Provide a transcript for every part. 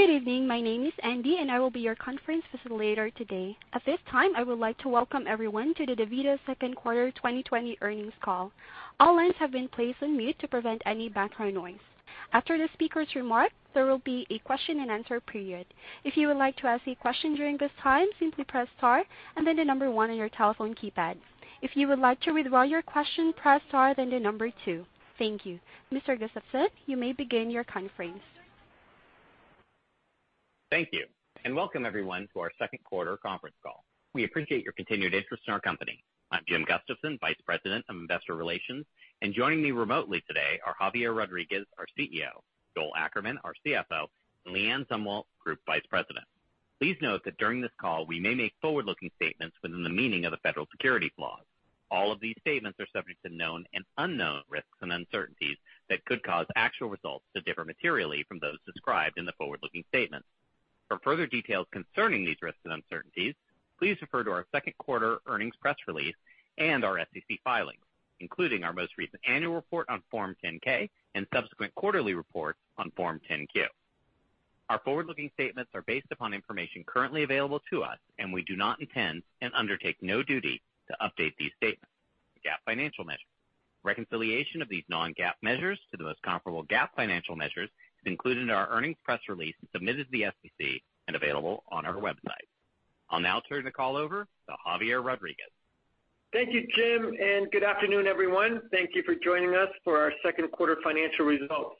Good evening. My name is Andy, and I will be your conference facilitator today. At this time, I would like to welcome everyone to the DaVita Q2 2020 Earnings Call. All lines have been placed on mute to prevent any background noise. After the speaker's remarks, there will be a question and answer period. If you would like to ask a question during this time, simply press star and then the number one on your telephone keypad. If you would like to withdraw your question, press star, then the number two. Thank you. Mr. Gustafson, you may begin your conference. Thank you, welcome everyone to our Q2 conference call. We appreciate your continued interest in our company. I'm Jim Gustafson, Vice President of Investor Relations, and joining me remotely today are Javier Rodriguez, our CEO; Joel Ackerman, our CFO; and LeAnne Zumwalt, Group Vice President. Please note that during this call, we may make forward-looking statements within the meaning of the federal securities laws. All of these statements are subject to known and unknown risks and uncertainties that could cause actual results to differ materially from those described in the forward-looking statements. For further details concerning these risks and uncertainties, please refer to our Q2 earnings press release and our SEC filings, including our most recent annual report on Form 10-K and subsequent quarterly reports on Form 10-Q. Our forward-looking statements are based upon information currently available to us, and we do not intend and undertake no duty to update these statements. GAAP financial measures. Reconciliation of these non-GAAP measures to the most comparable GAAP financial measures is included in our earnings press release and submitted to the SEC and available on our website. I'll now turn the call over to Javier Rodriguez. Thank you, Jim. Good afternoon, everyone. Thank you for joining us for our Q2 financial results.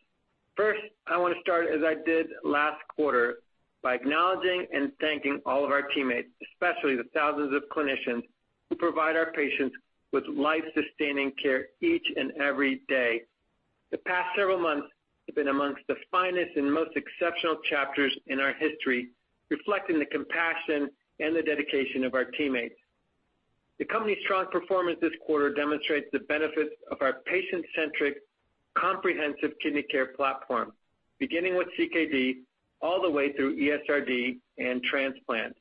First, I want to start as I did last quarter by acknowledging and thanking all of our teammates, especially the thousands of clinicians who provide our patients with life-sustaining care each and every day. The past several months have been amongst the finest and most exceptional chapters in our history, reflecting the compassion and the dedication of our teammates. The company's strong performance this quarter demonstrates the benefits of our patient-centric, comprehensive kidney care platform, beginning with CKD all the way through ESRD and transplant.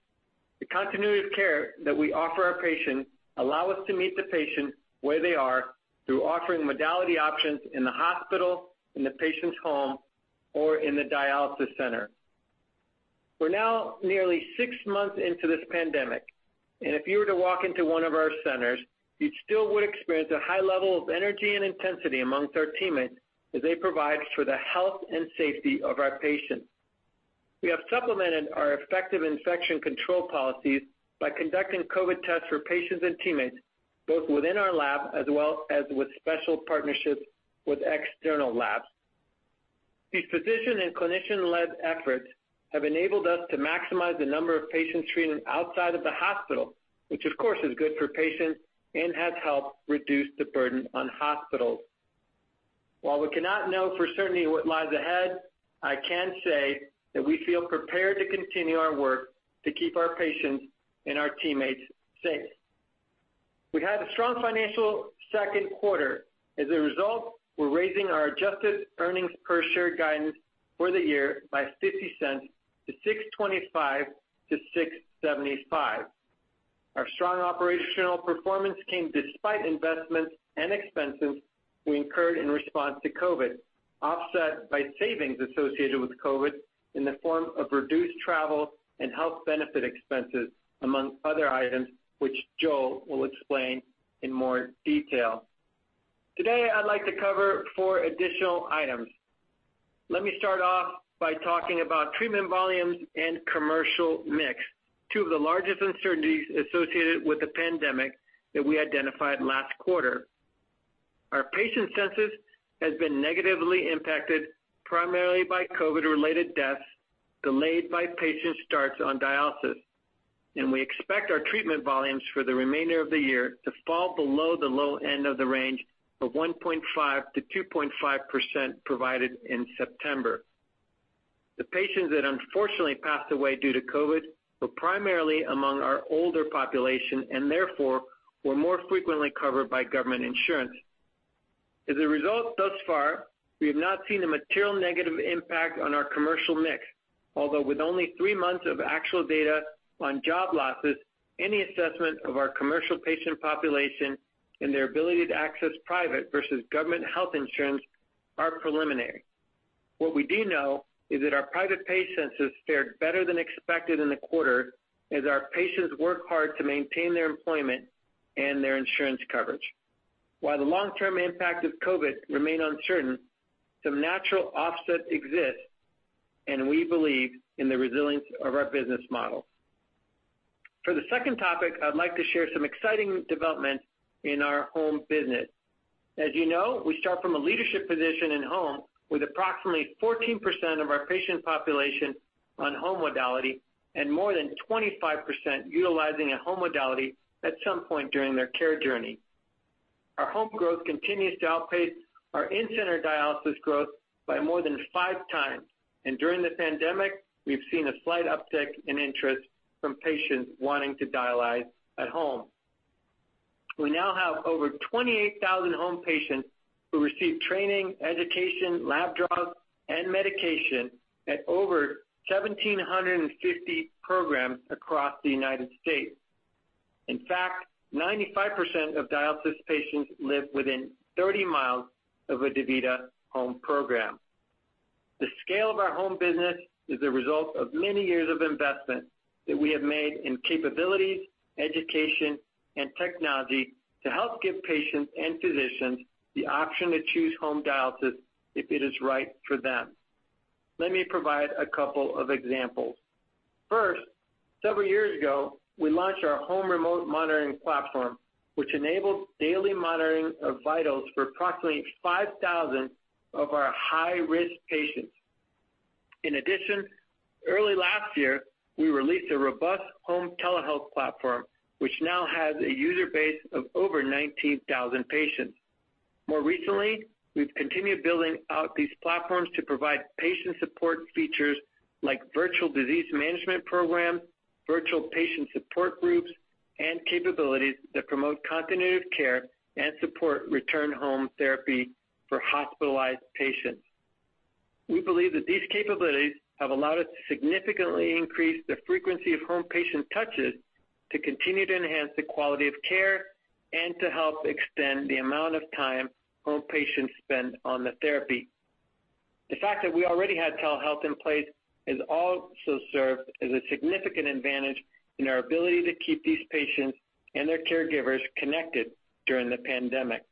The continuity of care that we offer our patients allow us to meet the patient where they are through offering modality options in the hospital, in the patient's home, or in the dialysis center. We're now nearly six months into this pandemic. If you were to walk into one of our centers, you still would experience a high level of energy and intensity amongst our teammates as they provide for the health and safety of our patients. We have supplemented our effective infection control policies by conducting COVID tests for patients and teammates, both within our lab as well as with special partnerships with external labs. These physician and clinician-led efforts have enabled us to maximize the number of patients treated outside of the hospital, which, of course, is good for patients and has helped reduce the burden on hospitals. While we cannot know for certainty what lies ahead, I can say that we feel prepared to continue our work to keep our patients and our teammates safe. We had a strong financial Q2. As a result, we're raising our adjusted earnings per share guidance for the year by $0.50-$6.25-$6.75. Our strong operational performance came despite investments and expenses we incurred in response to COVID, offset by savings associated with COVID in the form of reduced travel and health benefit expenses, among other items, which Joel will explain in more detail. Today, I'd like to cover four additional items. Let me start off by talking about treatment volumes and commercial mix, two of the largest uncertainties associated with the pandemic that we identified last quarter. Our patient census has been negatively impacted primarily by COVID-related deaths delayed by patient starts on dialysis, and we expect our treatment volumes for the remainder of the year to fall below the low end of the range of 1.5%-2.5% provided in September. The patients that unfortunately passed away due to COVID were primarily among our older population and therefore were more frequently covered by government insurance. As a result, thus far, we have not seen a material negative impact on our commercial mix. Although with only three months of actual data on job losses, any assessment of our commercial patient population and their ability to access private versus government health insurance are preliminary. What we do know is that our private patient census fared better than expected in the quarter as our patients work hard to maintain their employment and their insurance coverage. While the long-term impact of COVID remain uncertain, some natural offsets exist, and we believe in the resilience of our business model. For the second topic, I'd like to share some exciting developments in our home business. As you know, we start from a leadership position in home with approximately 14% of our patient population on home modality and more than 25% utilizing a home modality at some point during their care journey. Our home growth continues to outpace our in-center dialysis growth by more than five times, and during the pandemic, we've seen a slight uptick in interest from patients wanting to dialyze at home. We now have over 28,000 home patients who receive training, education, lab draws, and medication at over 1,750 programs across the U.S. In fact, 95% of dialysis patients live within 30 miles of a DaVita home program. The scale of our home business is a result of many years of investment that we have made in capabilities, education, and technology to help give patients and physicians the option to choose home dialysis if it is right for them. Let me provide a couple of examples. First, several years ago, we launched our home remote monitoring platform, which enables daily monitoring of vitals for approximately 5,000 of our high-risk patients. Early last year, we released a robust home telehealth platform, which now has a user base of over 19,000 patients. More recently, we've continued building out these platforms to provide patient support features like virtual disease management programs, virtual patient support groups, and capabilities that promote continuity of care and support return home therapy for hospitalized patients. We believe that these capabilities have allowed us to significantly increase the frequency of home patient touches to continue to enhance the quality of care and to help extend the amount of time home patients spend on the therapy. The fact that we already had telehealth in place has also served as a significant advantage in our ability to keep these patients and their caregivers connected during the pandemic.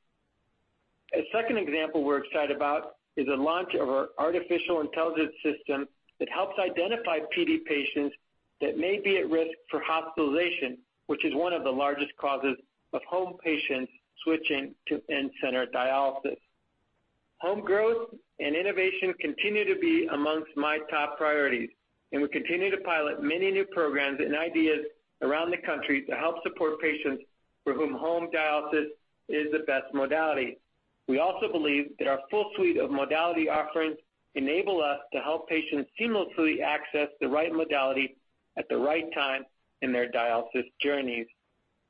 A second example we're excited about is the launch of our artificial intelligence system that helps identify PD patients that may be at risk for hospitalization, which is one of the largest causes of home patients switching to in-center dialysis. Home growth and innovation continue to be amongst my top priorities, and we continue to pilot many new programs and ideas around the country to help support patients for whom home dialysis is the best modality. We also believe that our full suite of modality offerings enable us to help patients seamlessly access the right modality at the right time in their dialysis journeys.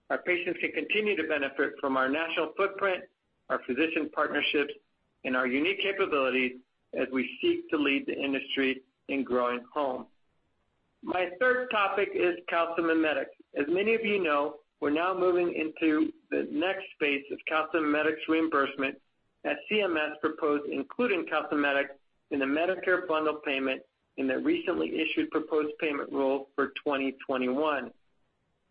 Our patients can continue to benefit from our national footprint, our physician partnerships, and our unique capabilities as we seek to lead the industry in growing home. My third topic is calcimimetics. As many of you know, we're now moving into the next phase of calcimimetics reimbursement, as CMS proposed including calcimimetics in the Medicare Bundle Payment in their recently issued proposed payment rule for 2021.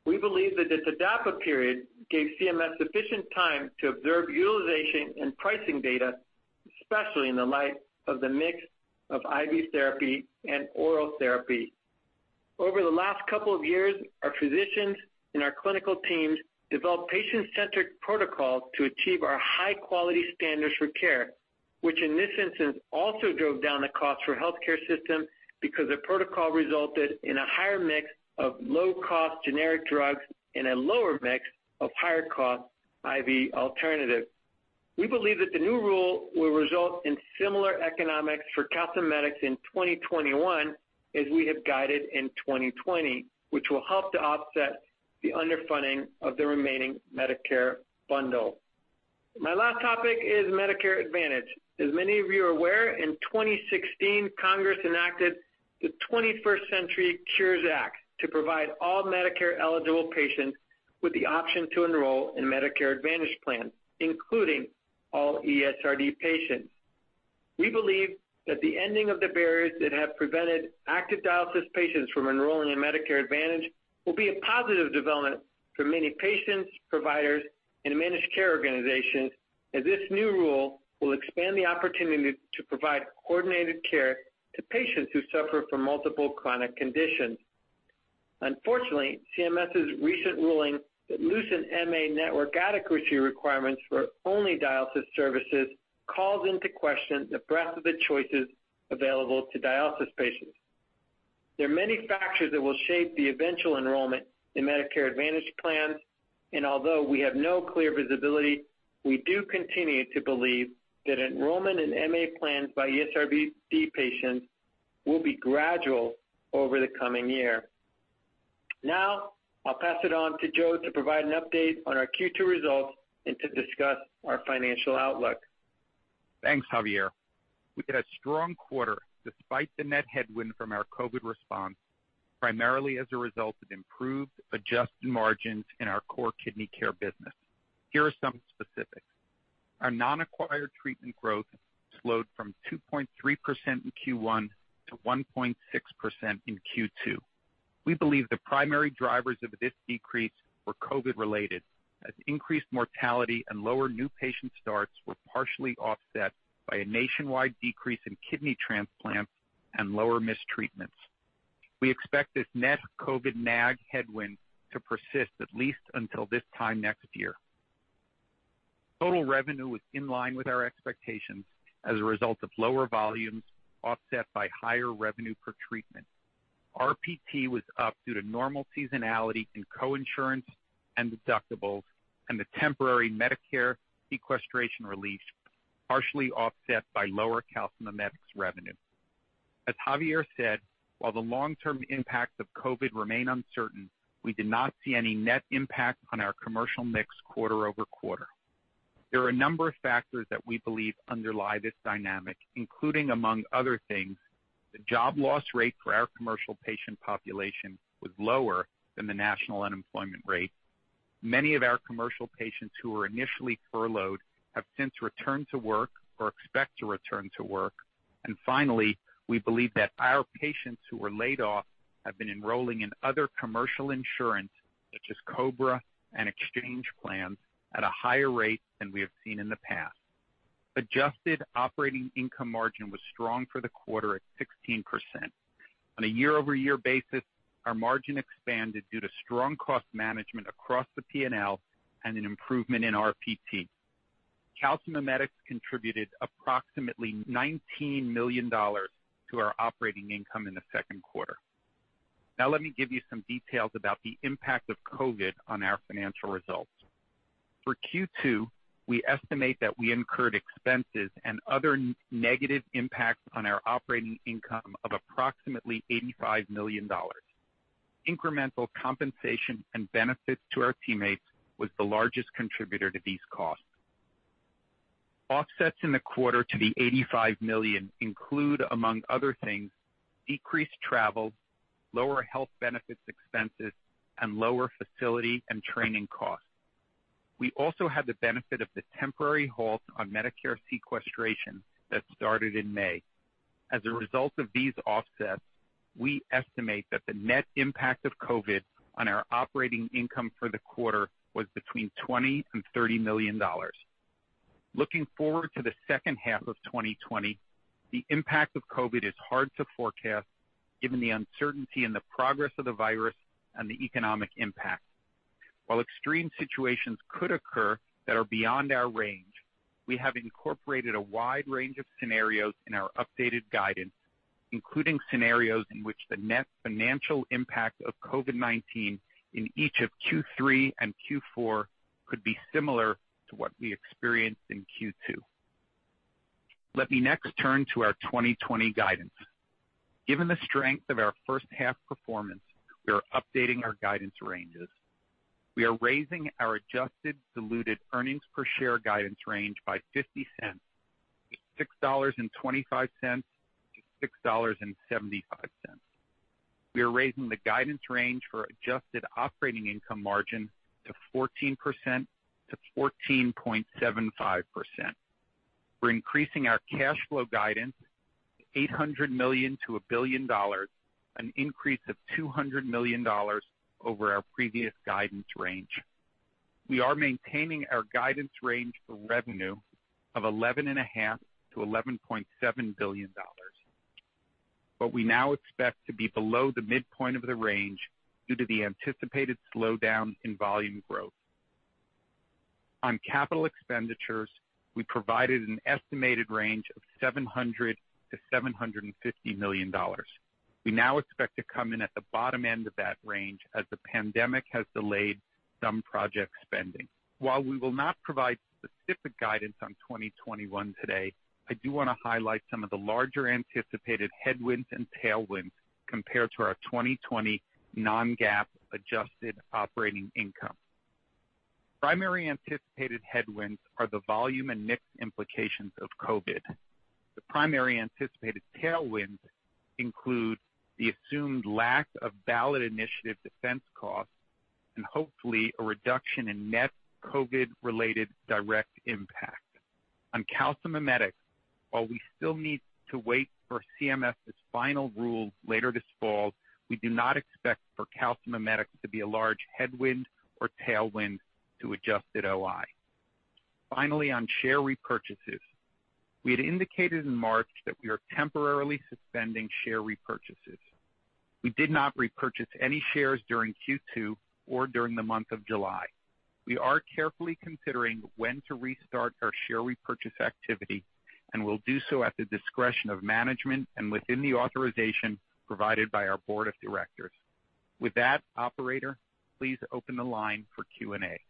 We believe that the TDAPA period gave CMS sufficient time to observe utilization and pricing data, especially in the light of the mix of IV therapy and oral therapy. Over the last couple of years, our physicians and our clinical teams developed patient-centric protocols to achieve our high-quality standards for care, which in this instance also drove down the cost for healthcare systems because the protocol resulted in a higher mix of low-cost generic drugs and a lower mix of higher-cost IV alternatives. We believe that the new rule will result in similar economics for calcimimetics in 2021 as we have guided in 2020, which will help to offset the underfunding of the remaining Medicare bundle. My last topic is Medicare Advantage. As many of you are aware, in 2016, Congress enacted the 21st Century Cures Act to provide all Medicare-eligible patients with the option to enroll in Medicare Advantage plans, including all ESRD patients. We believe that the ending of the barriers that have prevented active dialysis patients from enrolling in Medicare Advantage will be a positive development for many patients, providers, and managed care organizations, as this new rule will expand the opportunity to provide coordinated care to patients who suffer from multiple chronic conditions. Unfortunately, CMS's recent ruling that loosened MA network adequacy requirements for only dialysis services calls into question the breadth of the choices available to dialysis patients. Although we have no clear visibility, we do continue to believe that enrollment in Medicare Advantage plans by ESRD patients will be gradual over the coming year. I'll pass it on to Joe to provide an update on our Q2 results and to discuss our financial outlook. Thanks, Javier. We had a strong quarter despite the net headwind from our COVID response, primarily as a result of improved adjusted margins in our core kidney care business. Here are some specifics. Our non-acquired treatment growth slowed from 2.3% in Q1 to 1.6% in Q2. We believe the primary drivers of this decrease were COVID-related, as increased mortality and lower new patient starts were partially offset by a nationwide decrease in kidney transplants and lower missed treatments. We expect this net COVID NAG headwind to persist at least until this time next year. Total revenue was in line with our expectations as a result of lower volumes offset by higher revenue per treatment. RPT was up due to normal seasonality in co-insurance and deductibles and the temporary Medicare sequestration release, partially offset by lower calcimimetics revenue. As Javier said, while the long-term impacts of COVID remain uncertain, we did not see any net impact on our commercial mix quarter-over-quarter. There are a number of factors that we believe underlie this dynamic, including, among other things, the job loss rate for our commercial patient population was lower than the national unemployment rate. Many of our commercial patients who were initially furloughed have since returned to work or expect to return to work. Finally, we believe that our patients who were laid off have been enrolling in other commercial insurance, such as COBRA and Exchange plans, at a higher rate than we have seen in the past. Adjusted operating income margin was strong for the quarter at 16%. On a year-over-year basis, our margin expanded due to strong cost management across the P&L and an improvement in RPT. Calcimimetics contributed approximately $19 million to our operating income in the Q2. Let me give you some details about the impact of COVID on our financial results. For Q2, we estimate that we incurred expenses and other negative impacts on our operating income of approximately $85 million. Incremental compensation and benefits to our teammates was the largest contributor to these costs. Offsets in the quarter to the $85 million include, among other things, decreased travel, lower health benefits expenses, and lower facility and training costs. We also had the benefit of the temporary halt on Medicare sequestration that started in May. As a result of these offsets, we estimate that the net impact of COVID on our operating income for the quarter was between $20 million-$30 million. Looking forward to the H2 of 2020, the impact of COVID is hard to forecast given the uncertainty in the progress of the virus and the economic impact. While extreme situations could occur that are beyond our range, we have incorporated a wide range of scenarios in our updated guidance, including scenarios in which the net financial impact of COVID-19 in each of Q3 and Q4 could be similar to what we experienced in Q2. Let me next turn to our 2020 guidance. Given the strength of our H1 performance, we are updating our guidance ranges. We are raising our adjusted diluted earnings per share guidance range by $0.50, to $6.25-$6.75. We are raising the guidance range for adjusted operating income margin to 14%-14.75%. We're increasing our cash flow guidance to $800 million-$1 billion, an increase of $200 million over our previous guidance range. We are maintaining our guidance range for revenue of $11.5 billion-$11.7 billion, but we now expect to be below the midpoint of the range due to the anticipated slowdown in volume growth. On capital expenditures, we provided an estimated range of $700 million-$750 million. We now expect to come in at the bottom end of that range as the pandemic has delayed some project spending. While we will not provide specific guidance on 2021 today, I do want to highlight some of the larger anticipated headwinds and tailwinds compared to our 2020 non-GAAP adjusted operating income. Primary anticipated headwinds are the volume and mix implications of COVID. The primary anticipated tailwinds include the assumed lack of ballot initiative defense costs and hopefully a reduction in net COVID-related direct impact. On calcimimetics, while we still need to wait for CMS's final rule later this fall, we do not expect for calcimimetics to be a large headwind or tailwind to adjusted OI. Finally, on share repurchases. We had indicated in March that we are temporarily suspending share repurchases. We did not repurchase any shares during Q2 or during the month of July. We are carefully considering when to restart our share repurchase activity and will do so at the discretion of management and within the authorization provided by our board of directors. With that, operator, please open the line for Q&A.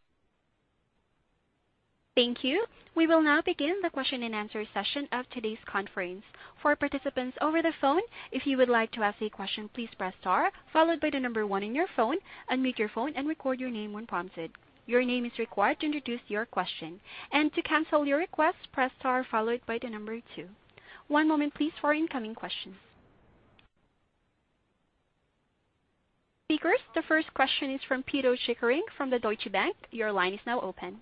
Thank you. We will now begin the question and answer session of today's conference. For participants over the phone, if you would like to ask a question, please press star followed by the number one on your phone, unmute your phone and record your name when prompted. Your name is required to introduce your question. To cancel your request, press star followed by the number two. One moment please for incoming questions. Speakers, the first question is from Pito Chickering from the Deutsche Bank. Your line is now open.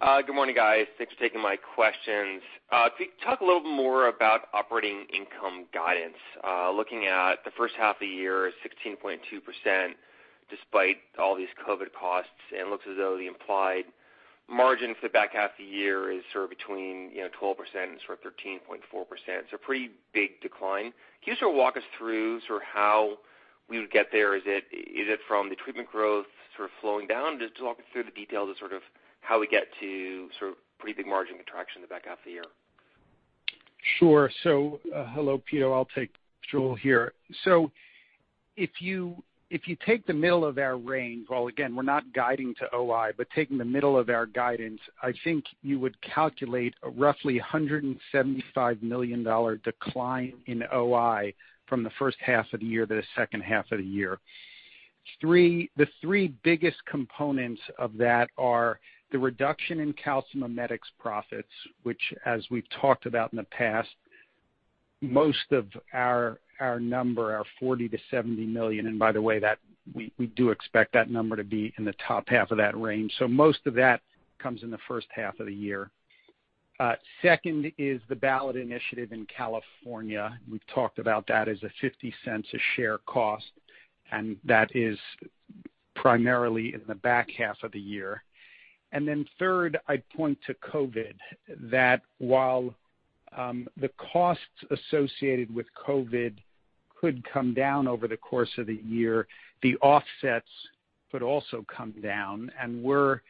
Good morning, guys. Thanks for taking my questions. Can you talk a little bit more about operating income guidance? Looking at the H1 of the year, 16.2%, despite all these COVID costs, it looks as though the implied margin for the back half of the year is sort of between 12% and sort of 13.4%. Pretty big decline. Can you sort of walk us through sort of how we would get there? Is it from the treatment growth sort of flowing down? Just walk us through the details of sort of how we get to sort of pretty big margin contraction in the back half of the year. Sure. Hello, Pito. I'll take this role here. If you take the middle of our range, while again, we're not guiding to OI, but taking the middle of our guidance, I think you would calculate a roughly $175 million decline in OI from the H1 of the year to the H2 of the year. The three biggest components of that are the reduction in calcimimetics profits, which as we've talked about in the past, most of our number, our $40 million-$70 million, and by the way, we do expect that number to be in the top half of that range. Most of that comes in the H1 of the year. Second is the ballot initiative in California. We've talked about that as a $0.50 a share cost, and that is primarily in the back half of the year. Third, I'd point to COVID, that while the costs associated with COVID could come down over the course of the year, the offsets could also come down, and we're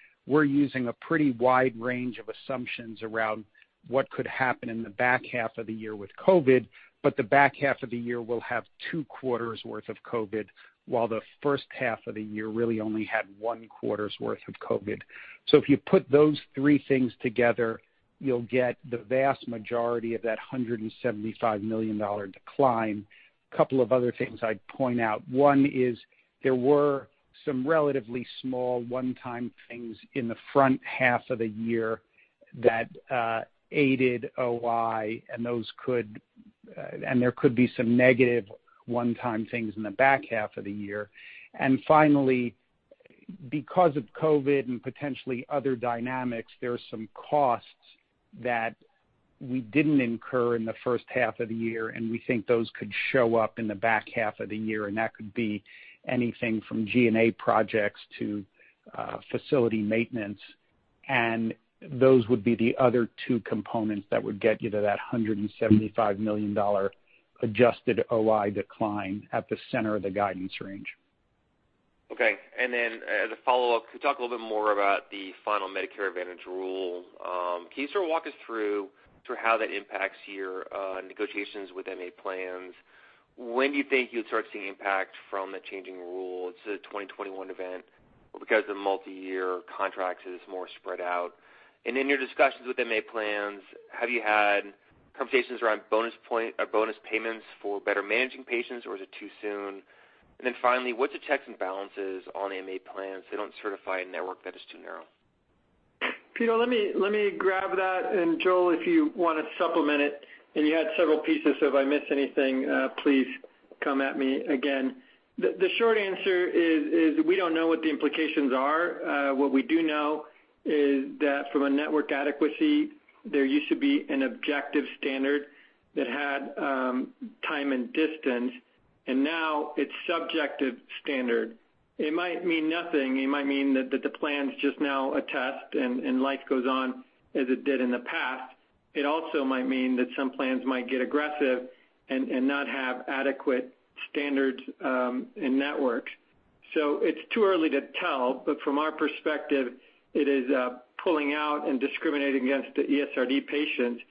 using a pretty wide range of assumptions around what could happen in the back half of the year with COVID, but the back half of the year will have two quarters worth of COVID, while the H1 of the year really only had one quarter's worth of COVID. If you put those three things together, you'll get the vast majority of that $175 million decline. Couple of other things I'd point out. One is there were some relatively small one-time things in the front half of the year that aided OI and there could be some negative one-time things in the back half of the year. Finally, because of COVID and potentially other dynamics, there are some costs that we didn't incur in the H1 of the year, and we think those could show up in the back half of the year, and that could be anything from G&A projects to facility maintenance, and those would be the other two components that would get you to that $175 million adjusted OI decline at the center of the guidance range. Okay, then as a follow-up, can you talk a little bit more about the final Medicare Advantage rule? Can you sort of walk us through how that impacts your negotiations with MA plans? When do you think you'll start seeing impact from the changing rule to the 2021 event, or because the multi-year contracts is more spread out? In your discussions with MA plans, have you had conversations around bonus payments for better managing patients, or is it too soon? Finally, what's the checks and balances on MA plans if they don't certify a network that is too narrow? Pito, let me grab that, and Joel, if you want to supplement it, and you had several pieces. If I miss anything, please come at me again. The short answer is we don't know what the implications are. What we do know is that from a network adequacy, there used to be an objective standard that had time and distance, and now it's subjective standard. It might mean nothing. It might mean that the plans just now attest and life goes on as it did in the past. It also might mean that some plans might get aggressive and not have adequate standards in networks. It's too early to tell, but from our perspective, it is pulling out and discriminating against the ESRD patients.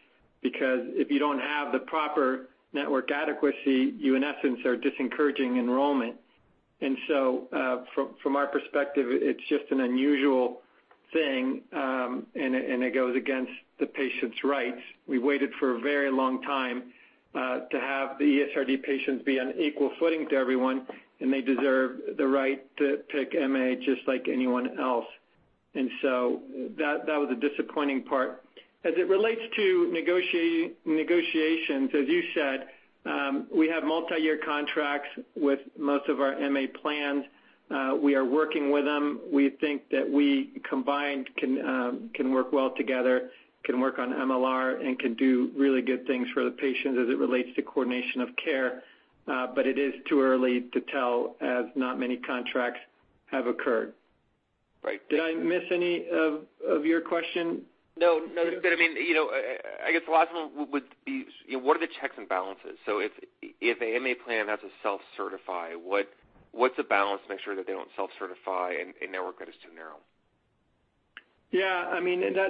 If you don't have the proper network adequacy, you in essence are discouraging enrollment. From our perspective, it's just an unusual thing, and it goes against the patients' rights. We waited for a very long time to have the ESRD patients be on equal footing to everyone, and they deserve the right to pick MA just like anyone else. That was a disappointing part. As it relates to negotiations, as you said, we have multi-year contracts with most of our MA plans. We are working with them. We think that we combined can work well together, can work on MLR, and can do really good things for the patients as it relates to coordination of care. It is too early to tell, as not many contracts have occurred. Right. Did I miss any of your question? No. I guess the last one would be, what are the checks and balances? If the MA plan has to self-certify, what's the balance to make sure that they don't self-certify a network that is too narrow? Yeah.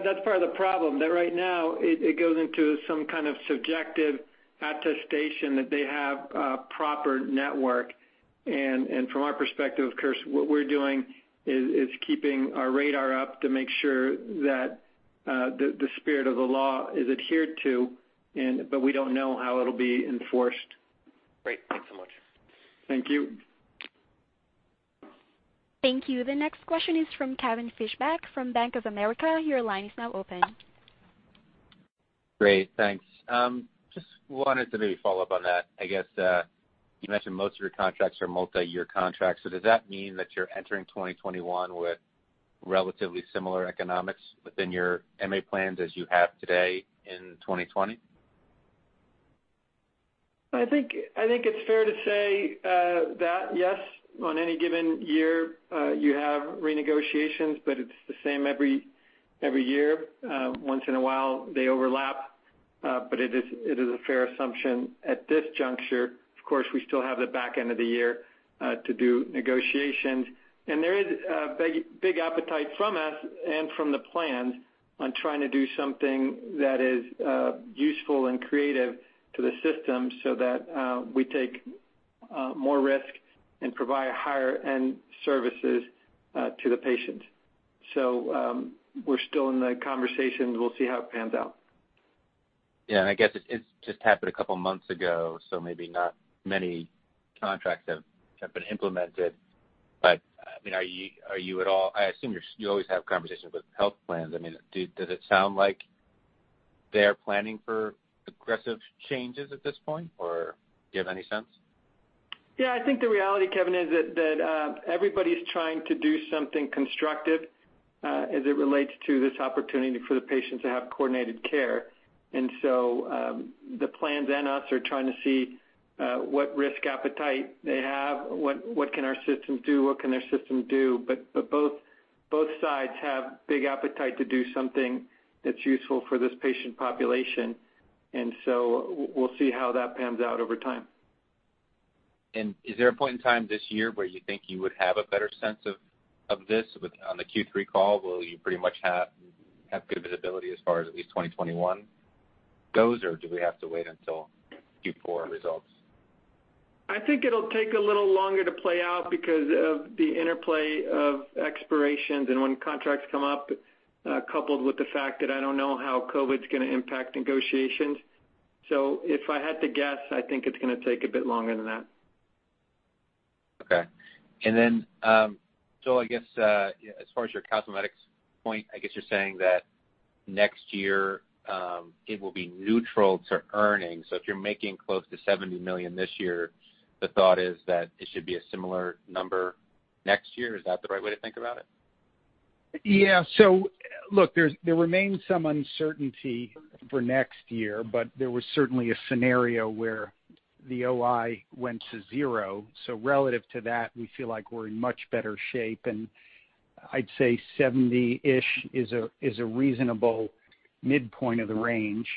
That's part of the problem. That right now, it goes into some kind of subjective attestation that they have a proper network. From our perspective, of course, what we're doing is keeping our radar up to make sure that the spirit of the law is adhered to, but we don't know how it'll be enforced. Great. Thanks so much. Thank you. Thank you. The next question is from Kevin Fischbeck from Bank of America. Your line is now open. Great, thanks. Just wanted to maybe follow up on that, I guess. You mentioned most of your contracts are multi-year contracts. Does that mean that you're entering 2021 with relatively similar economics within your MA plans as you have today in 2020? I think it's fair to say that, yes, on any given year, you have renegotiations, but it's the same every year. Once in a while they overlap, but it is a fair assumption at this juncture. Of course, we still have the back end of the year to do negotiations. There is a big appetite from us and from the plans on trying to do something that is useful and creative to the system so that we take more risk and provide higher-end services to the patients. We're still in the conversations. We'll see how it pans out. Yeah, I guess it just happened a couple of months ago, so maybe not many contracts have been implemented. I assume you always have conversations with health plans, does it sound like they're planning for aggressive changes at this point, or do you have any sense? Yeah, I think the reality, Kevin, is that everybody's trying to do something constructive as it relates to this opportunity for the patients to have coordinated care. The plans and us are trying to see what risk appetite they have, what can our system do, what can their system do. Both sides have big appetite to do something that's useful for this patient population. We'll see how that pans out over time. Is there a point in time this year where you think you would have a better sense of this on the Q3 call? Will you pretty much have good visibility as far as at least 2021 goes, or do we have to wait until Q4 results? I think it'll take a little longer to play out because of the interplay of expirations and when contracts come up, coupled with the fact that I don't know how COVID is going to impact negotiations. If I had to guess, I think it's going to take a bit longer than that. Joel, I guess as far as your calcimimetics point, I guess you're saying that next year it will be neutral to earnings. If you're making close to $70 million this year, the thought is that it should be a similar number next year. Is that the right way to think about it? Yeah. Look, there remains some uncertainty for next year, but there was certainly a scenario where the OI went to zero. Relative to that, we feel like we're in much better shape, and I'd say 70-ish is a reasonable midpoint of the range.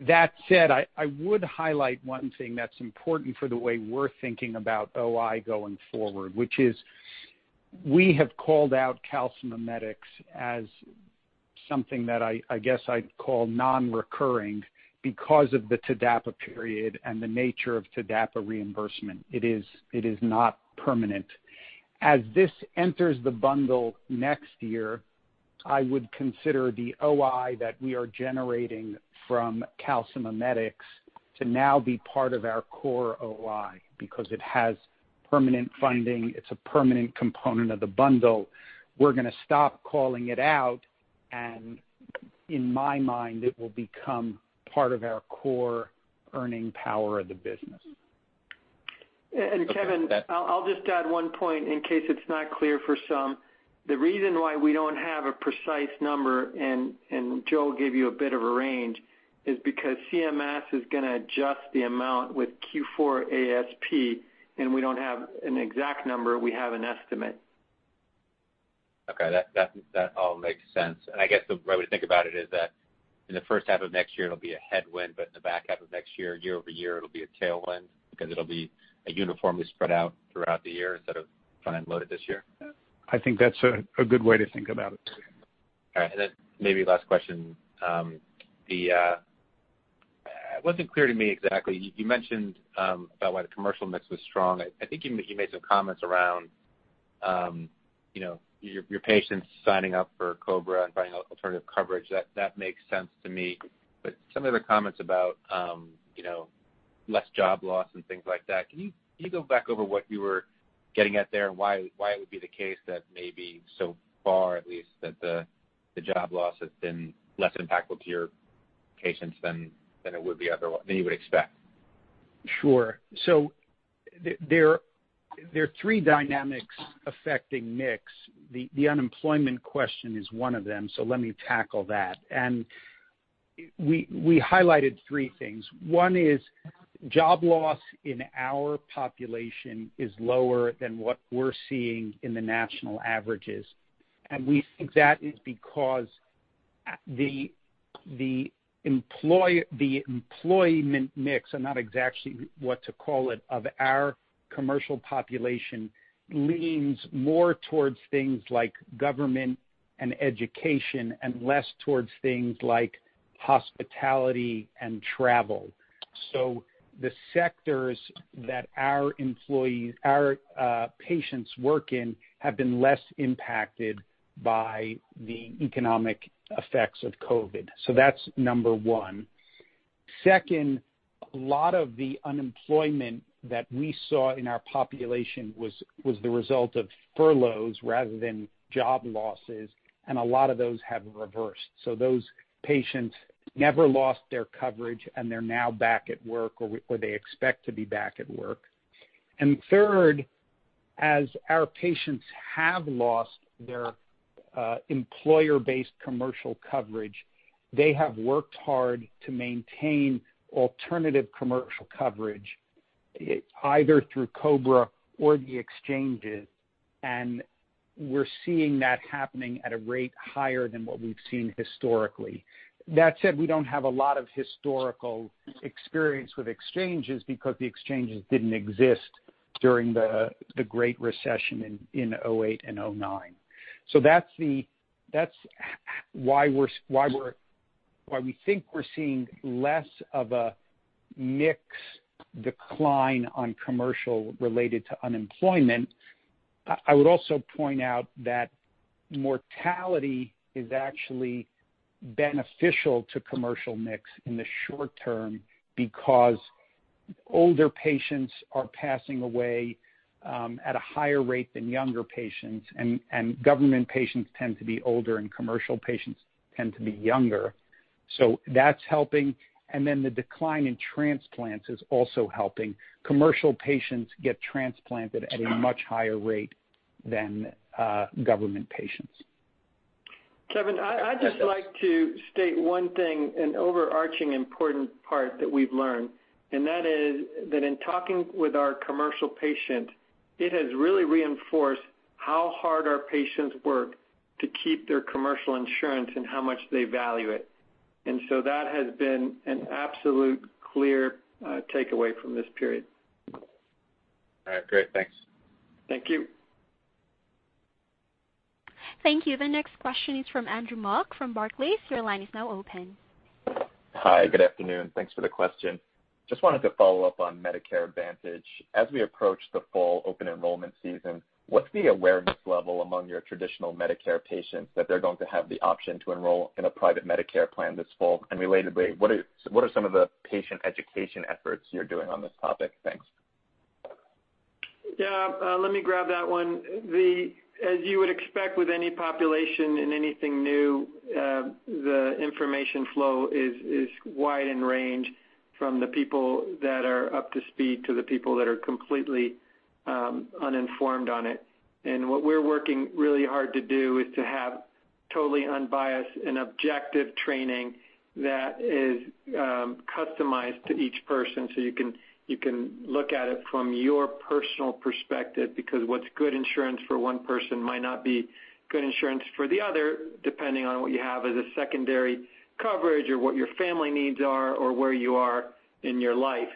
That said, I would highlight one thing that's important for the way we're thinking about OI going forward, which is we have called out calcimimetics as something that I guess I'd call non-recurring because of the TDAPA period and the nature of TDAPA reimbursement. It is not permanent. As this enters the bundle next year, I would consider the OI that we are generating from calcimimetics to now be part of our core OI, because it has permanent funding, it's a permanent component of the bundle. We're going to stop calling it out, and in my mind, it will become part of our core earning power of the business. Kevin, I'll just add one point in case it's not clear for some. The reason why we don't have a precise number, and Joel gave you a bit of a range, is because CMS is going to adjust the amount with Q4 ASP, and we don't have an exact number, we have an estimate. Okay. That all makes sense. I guess the way to think about it is that in the H1 of next year, it'll be a headwind, but in the back half of next year-over-year, it'll be a tailwind because it'll be uniformly spread out throughout the year instead of front-end loaded this year. I think that's a good way to think about it. All right. Then maybe last question. It wasn't clear to me exactly. You mentioned about why the commercial mix was strong. I think you made some comments around your patients signing up for COBRA and buying alternative coverage. That makes sense to me, but some of the comments about less job loss and things like that, can you go back over what you were getting at there and why it would be the case that maybe so far, at least, that the job loss has been less impactful to your patients than you would expect? Sure. There are three dynamics affecting mix. The unemployment question is one of them, so let me tackle that. We highlighted three things. One is job loss in our population is lower than what we're seeing in the national averages. We think that is because the employment mix, I'm not exactly what to call it, of our commercial population leans more towards things like government and education and less towards things like hospitality and travel. The sectors that our patients work in have been less impacted by the economic effects of COVID. That's number one. Second, a lot of the unemployment that we saw in our population was the result of furloughs rather than job losses, and a lot of those have reversed. Those patients never lost their coverage, and they're now back at work, or they expect to be back at work. Third, as our patients have lost their employer-based commercial coverage, they have worked hard to maintain alternative commercial coverage, either through COBRA or the exchanges. We're seeing that happening at a rate higher than what we've seen historically. That said, we don't have a lot of historical experience with exchanges because the exchanges didn't exist during the Great Recession in 2008 and 2009. That's why we think we're seeing less of a mix decline on commercial related to unemployment. I would also point out that mortality is actually beneficial to commercial mix in the short term, because older patients are passing away at a higher rate than younger patients, and government patients tend to be older and commercial patients tend to be younger. That's helping. Then the decline in transplants is also helping. Commercial patients get transplanted at a much higher rate than government patients. Kevin, I'd just like to state one thing, an overarching important part that we've learned, and that is that in talking with our commercial patient, it has really reinforced how hard our patients work to keep their commercial insurance and how much they value it. That has been an absolute clear takeaway from this period. All right, great. Thanks. Thank you. Thank you. The next question is from Andrew Mok from Barclays. Your line is now open. Hi, good afternoon. Thanks for the question. Just wanted to follow up on Medicare Advantage. As we approach the fall open enrollment season, what's the awareness level among your traditional Medicare patients that they're going to have the option to enroll in a private Medicare plan this fall? Relatedly, what are some of the patient education efforts you're doing on this topic? Thanks. Yeah, let me grab that one. As you would expect with any population in anything new, the information flow is wide in range from the people that are up to speed to the people that are completely uninformed on it. What we're working really hard to do is to have totally unbiased and objective training that is customized to each person so you can look at it from your personal perspective, because what's good insurance for one person might not be good insurance for the other, depending on what you have as a secondary coverage or what your family needs are or where you are in your life.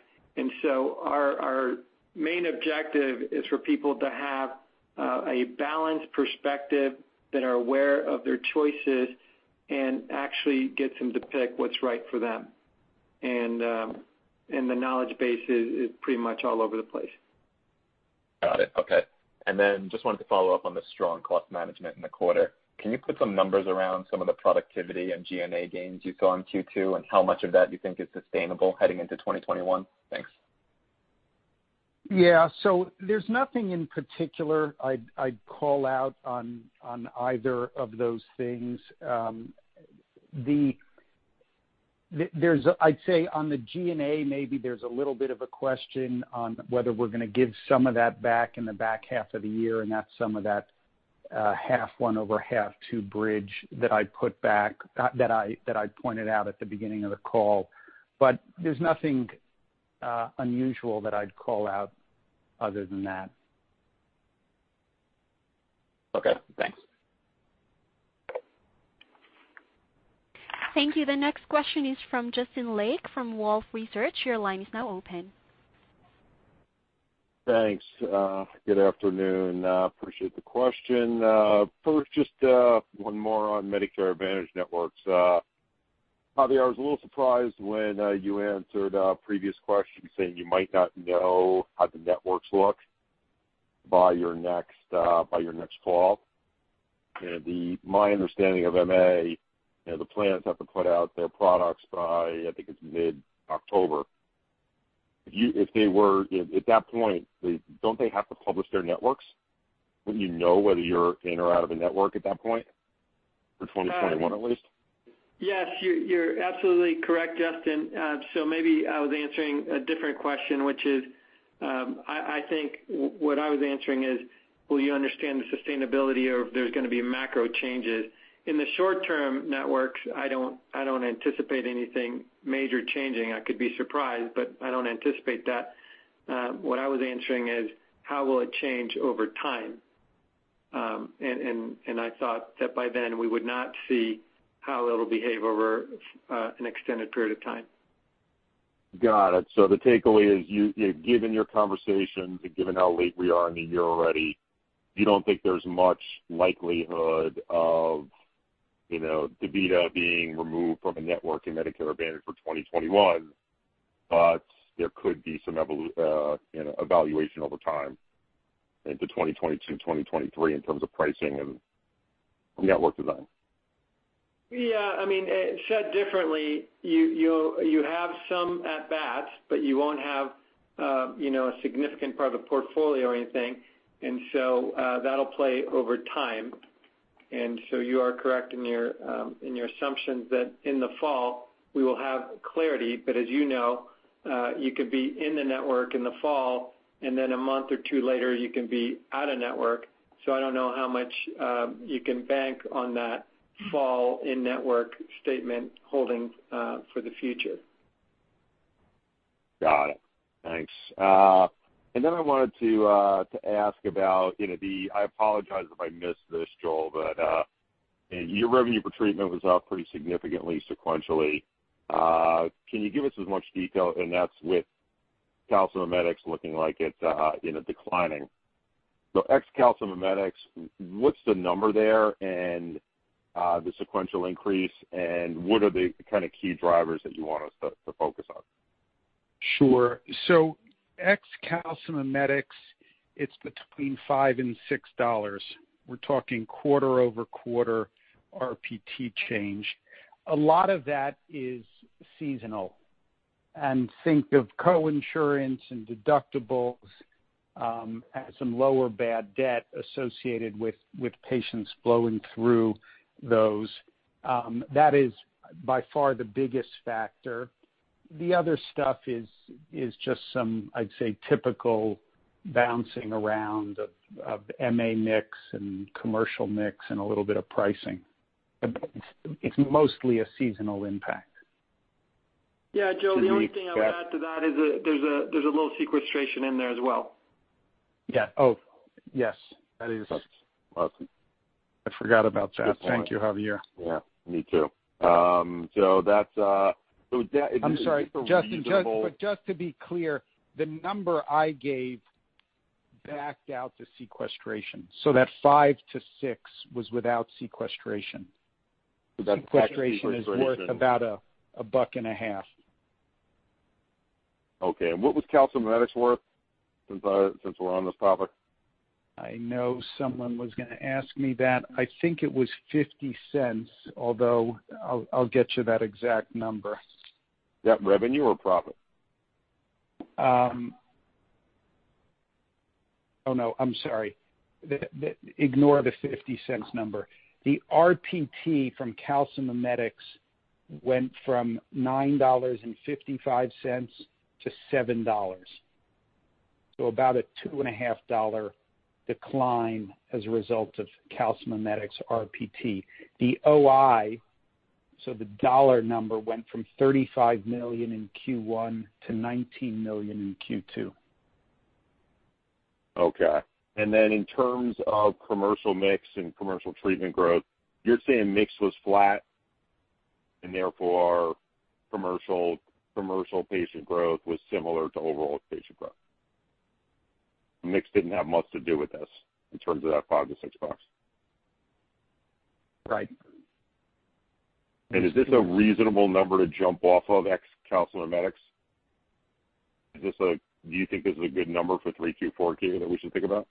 Our main objective is for people to have a balanced perspective that are aware of their choices and actually gets them to pick what's right for them. The knowledge base is pretty much all over the place. Got it. Okay. Just wanted to follow up on the strong cost management in the quarter. Can you put some numbers around some of the productivity and G&A gains you saw in Q2, and how much of that you think is sustainable heading into 2021? Thanks. Yeah. There's nothing in particular I'd call out on either of those things. I'd say on the G&A, maybe there's a little bit of a question on whether we're going to give some of that back in the back half of the year, and that's some of that half one over half two bridge that I pointed out at the beginning of the call. There's nothing unusual that I'd call out other than that. Okay, thanks. Thank you. The next question is from Justin Lake from Wolfe Research. Your line is now open. Thanks. Good afternoon. Appreciate the question. Just one more on Medicare Advantage networks. Javier, I was a little surprised when you answered a previous question saying you might not know how the networks look by your next fall. My understanding of MA, the plans have to put out their products by, I think it's mid-October. At that point, don't they have to publish their networks? Wouldn't you know whether you're in or out of a network at that point, for 2021 at least? Yes, you're absolutely correct, Justin. Maybe I was answering a different question, which is, I think what I was answering is, will you understand the sustainability or if there's going to be macro changes. In the short term networks, I don't anticipate anything major changing. I could be surprised, but I don't anticipate that. What I was answering is how will it change over time? I thought that by then we would not see how it'll behave over an extended period of time. Got it. The takeaway is, given your conversation, given how late we are in the year already, you don't think there's much likelihood of DaVita being removed from a network in Medicare Advantage for 2021, but there could be some evaluation over time into 2022, 2023 in terms of pricing and network design. Yeah. Said differently, you have some at-bats, but you won't have a significant part of a portfolio or anything, that'll play over time. You are correct in your assumptions that in the fall, we will have clarity, but as you know, you could be in the network in the fall, and then a month or two later, you can be out of network. I don't know how much you can bank on that fall in-network statement holding for the future. Got it. Thanks. Then I wanted to ask about the I apologize if I missed this, Joel, but your revenue per treatment was up pretty significantly sequentially. Can you give us as much detail, and that's with calcimimetics looking like it's declining. Ex-calcimimetics, what's the number there and the sequential increase, and what are the kind of key drivers that you want us to focus on? Sure. Ex-calcimimetics, it's between $5 and $6. We're talking quarter-over-quarter RPT change. A lot of that is seasonal, and think of co-insurance and deductibles, and some lower bad debt associated with patients flowing through those. That is by far the biggest factor. The other stuff is just some, I'd say, typical bouncing around of MA mix and commercial mix and a little bit of pricing. It's mostly a seasonal impact. Yeah, Joe, the only thing I would add to that is there's a little sequestration in there as well. Yeah. Oh, yes. That is- That's awesome. I forgot about that. Thank you, Javier. Yeah, me too. That is a reasonable. I'm sorry, Justin, just to be clear, the number I gave backed out the sequestration. That five to six was without sequestration. Without sequestration. Sequestration is worth about $1.50. Okay, what was calcimimetics worth since we're on this topic? I know someone was going to ask me that. I think it was $0.50, although I'll get you that exact number. Is that revenue or profit? Oh, no, I'm sorry. Ignore the $0.50 number. The RPT from calcimimetics went from $9.55-$7, so about a $2.50 decline as a result of calcimimetics RPT. The OI, so the dollar number went from $35 million in Q1 to $19 million in Q2. Okay. In terms of commercial mix and commercial treatment growth, you're saying mix was flat, and therefore commercial patient growth was similar to overall patient growth? Mix didn't have much to do with this in terms of that $5-$6. Right. Is this a reasonable number to jump off of Ex-calcimimetics? Do you think this is a good number for Q3, Q4 that we should think about?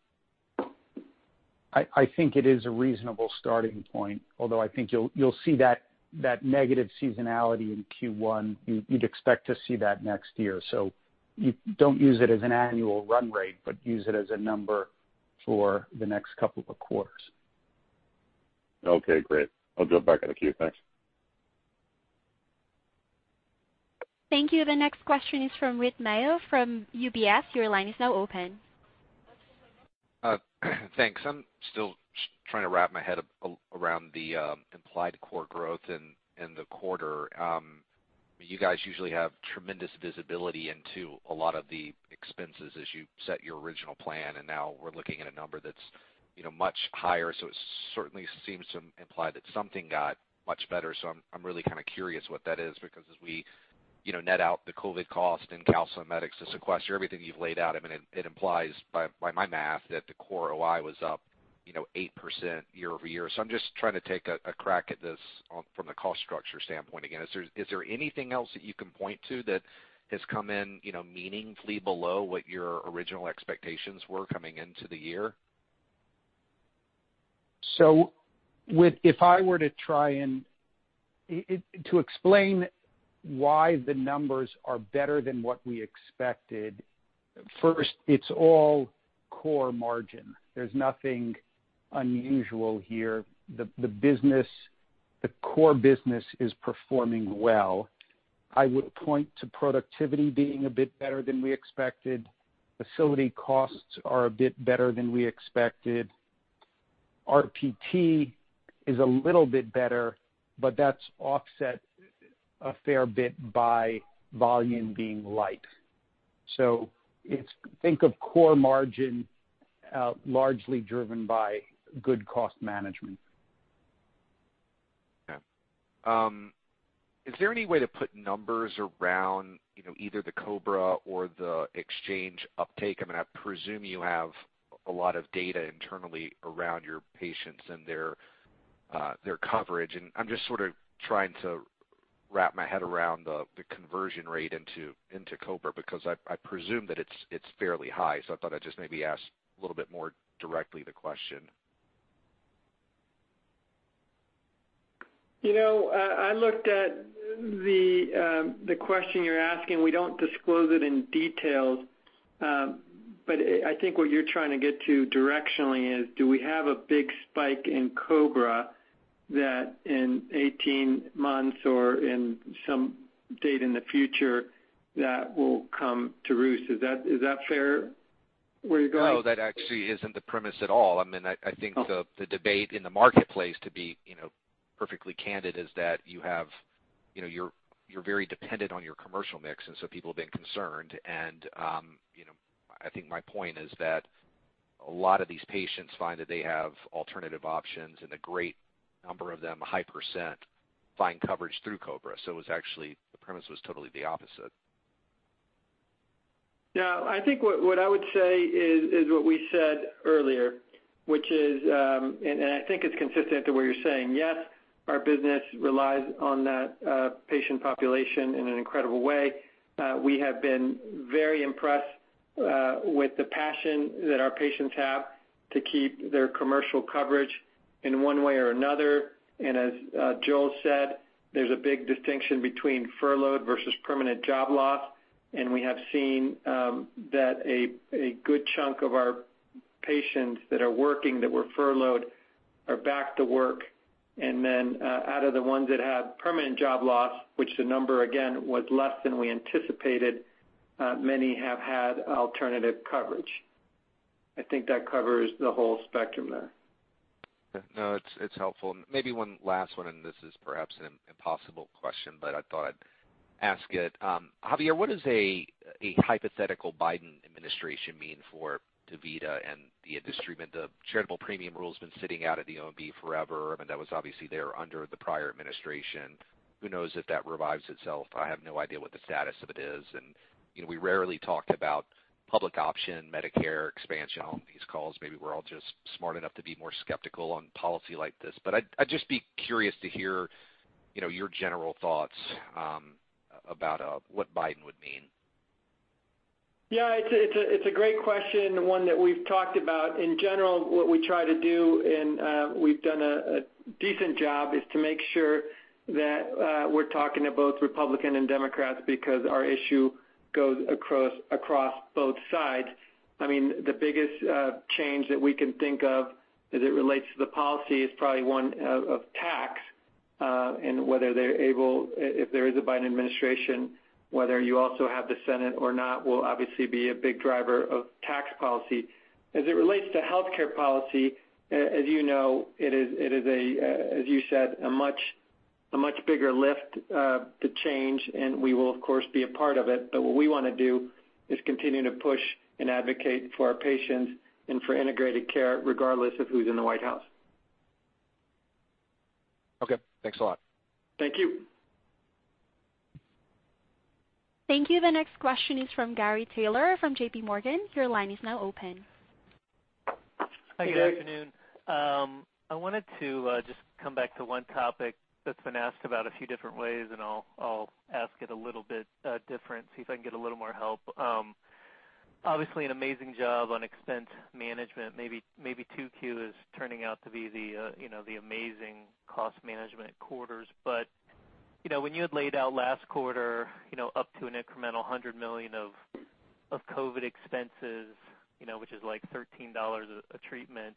I think it is a reasonable starting point, although I think you'll see that negative seasonality in Q1. You'd expect to see that next year. Don't use it as an annual run rate, but use it as a number for the next couple of quarters. Okay, great. I'll jump back in the queue. Thanks. Thank you. The next question is from Whit Mayo from UBS. Your line is now open. Thanks. I'm still trying to wrap my head around the implied core growth in the quarter. You guys usually have tremendous visibility into a lot of the expenses as you set your original plan, and now we're looking at a number that's much higher. It certainly seems to imply that something got much better. I'm really kind of curious what that is, because as we net out the COVID cost and calcimimetics, the sequester, everything you've laid out, I mean, it implies by my math that the core OI was up 8% year-over-year. I'm just trying to take a crack at this from the cost structure standpoint. Again, is there anything else that you can point to that has come in meaningfully below what your original expectations were coming into the year? Whit, if I were to try and to explain why the numbers are better than what we expected, first, it's all core margin. There's nothing unusual here. The core business is performing well. I would point to productivity being a bit better than we expected. Facility costs are a bit better than we expected. RPT is a little bit better, but that's offset a fair bit by volume being light. Think of core margin largely driven by good cost management. Okay. Is there any way to put numbers around either the COBRA or the exchange uptake? I mean, I presume you have a lot of data internally around your patients and their coverage, and I'm just sort of trying to wrap my head around the conversion rate into COBRA, because I presume that it's fairly high. I thought I'd just maybe ask a little bit more directly the question. I looked at the question you're asking. We don't disclose it in detail, but I think what you're trying to get to directionally is, do we have a big spike in COBRA that in 18 months or in some date in the future that will come to roost? Is that fair where you're going? No, that actually isn't the premise at all. I mean, I think the debate in the marketplace, to be perfectly candid, is that you're very dependent on your commercial mix, and so people have been concerned, and I think my point is that a lot of these patients find that they have alternative options, and a great number of them, a high percent, find coverage through COBRA. It was actually, the premise was totally the opposite. No, I think what I would say is what we said earlier, which is, and I think it's consistent to what you're saying. Yes, our business relies on that patient population in an incredible way. We have been very impressed with the passion that our patients have to keep their commercial coverage in one way or another. As Joel said, there's a big distinction between furloughed versus permanent job loss. We have seen that a good chunk of our patients that are working that were furloughed are back to work. Out of the ones that had permanent job loss, which the number again was less than we anticipated, many have had alternative coverage. I think that covers the whole spectrum there. No, it's helpful. Maybe one last one, and this is perhaps an impossible question, but I thought I'd ask it. Javier, what does a hypothetical Biden administration mean for DaVita and the industry? The charitable premium rule has been sitting out at the OMB forever. I mean, that was obviously there under the prior administration. Who knows if that revives itself? I have no idea what the status of it is. We rarely talked about public option Medicare expansion on these calls. Maybe we're all just smart enough to be more skeptical on policy like this. I'd just be curious to hear your general thoughts about what Biden would mean. Yeah, it's a great question, one that we've talked about. In general, what we try to do, and we've done a decent job, is to make sure that we're talking to both Republicans and Democrats because our issue goes across both sides. I mean, the biggest change that we can think of as it relates to the policy is probably one of tax, and whether they're able-- if there is a Biden Administration, whether you also have the Senate or not, will obviously be a big driver of tax policy. As it relates to healthcare policy, as you know, it is, as you said, a much bigger lift to change, and we will of course, be a part of it. What we want to do is continue to push and advocate for our patients and for integrated care, regardless of who's in the White House. Okay. Thanks a lot. Thank you. Thank you. The next question is from Gary Taylor from J.P. Morgan. Your line is now open. Hey, Gary. Hi, good afternoon. I wanted to just come back to one topic that's been asked about a few different ways, and I'll ask it a little bit different, see if I can get a little more help. Obviously, an amazing job on expense management. Maybe Q2 is turning out to be the amazing cost management quarters. When you had laid out last quarter up to an incremental $100 million of COVID expenses, which is like $13 a treatment,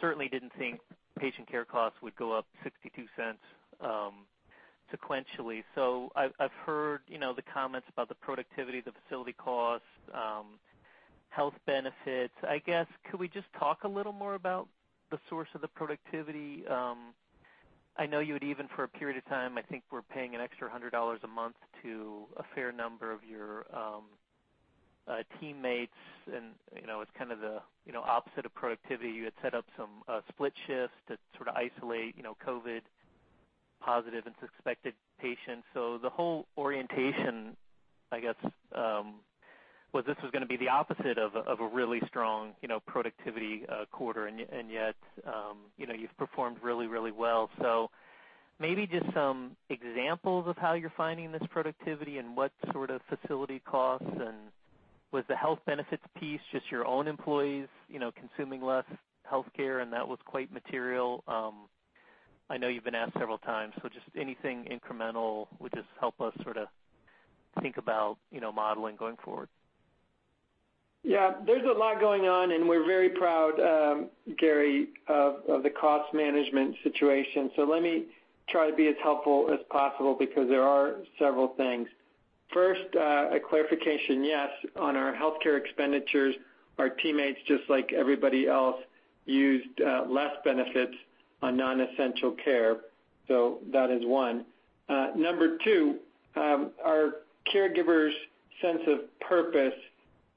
certainly didn't think patient care costs would go up $0.62 sequentially. I've heard the comments about the productivity, the facility costs, health benefits. I guess, could we just talk a little more about the source of the productivity? I know you had even for a period of time, I think we're paying an extra $100 a month to a fair number of your teammates and it's kind of the opposite of productivity. You had set up some split shifts to sort of isolate COVID positive and suspected patients. The whole orientation, I guess was this was going to be the opposite of a really strong productivity quarter, and yet you've performed really, really well. Maybe just some examples of how you're finding this productivity and what sort of facility costs, and was the health benefits piece just your own employees consuming less healthcare, and that was quite material? I know you've been asked several times, just anything incremental would just help us sort of think about modeling going forward. There's a lot going on, and we're very proud, Gary, of the cost management situation. Let me try to be as helpful as possible because there are several things. First, a clarification. Yes, on our healthcare expenditures, our teammates, just like everybody else, used less benefits on non-essential care. That is one. Number 2, our caregivers' sense of purpose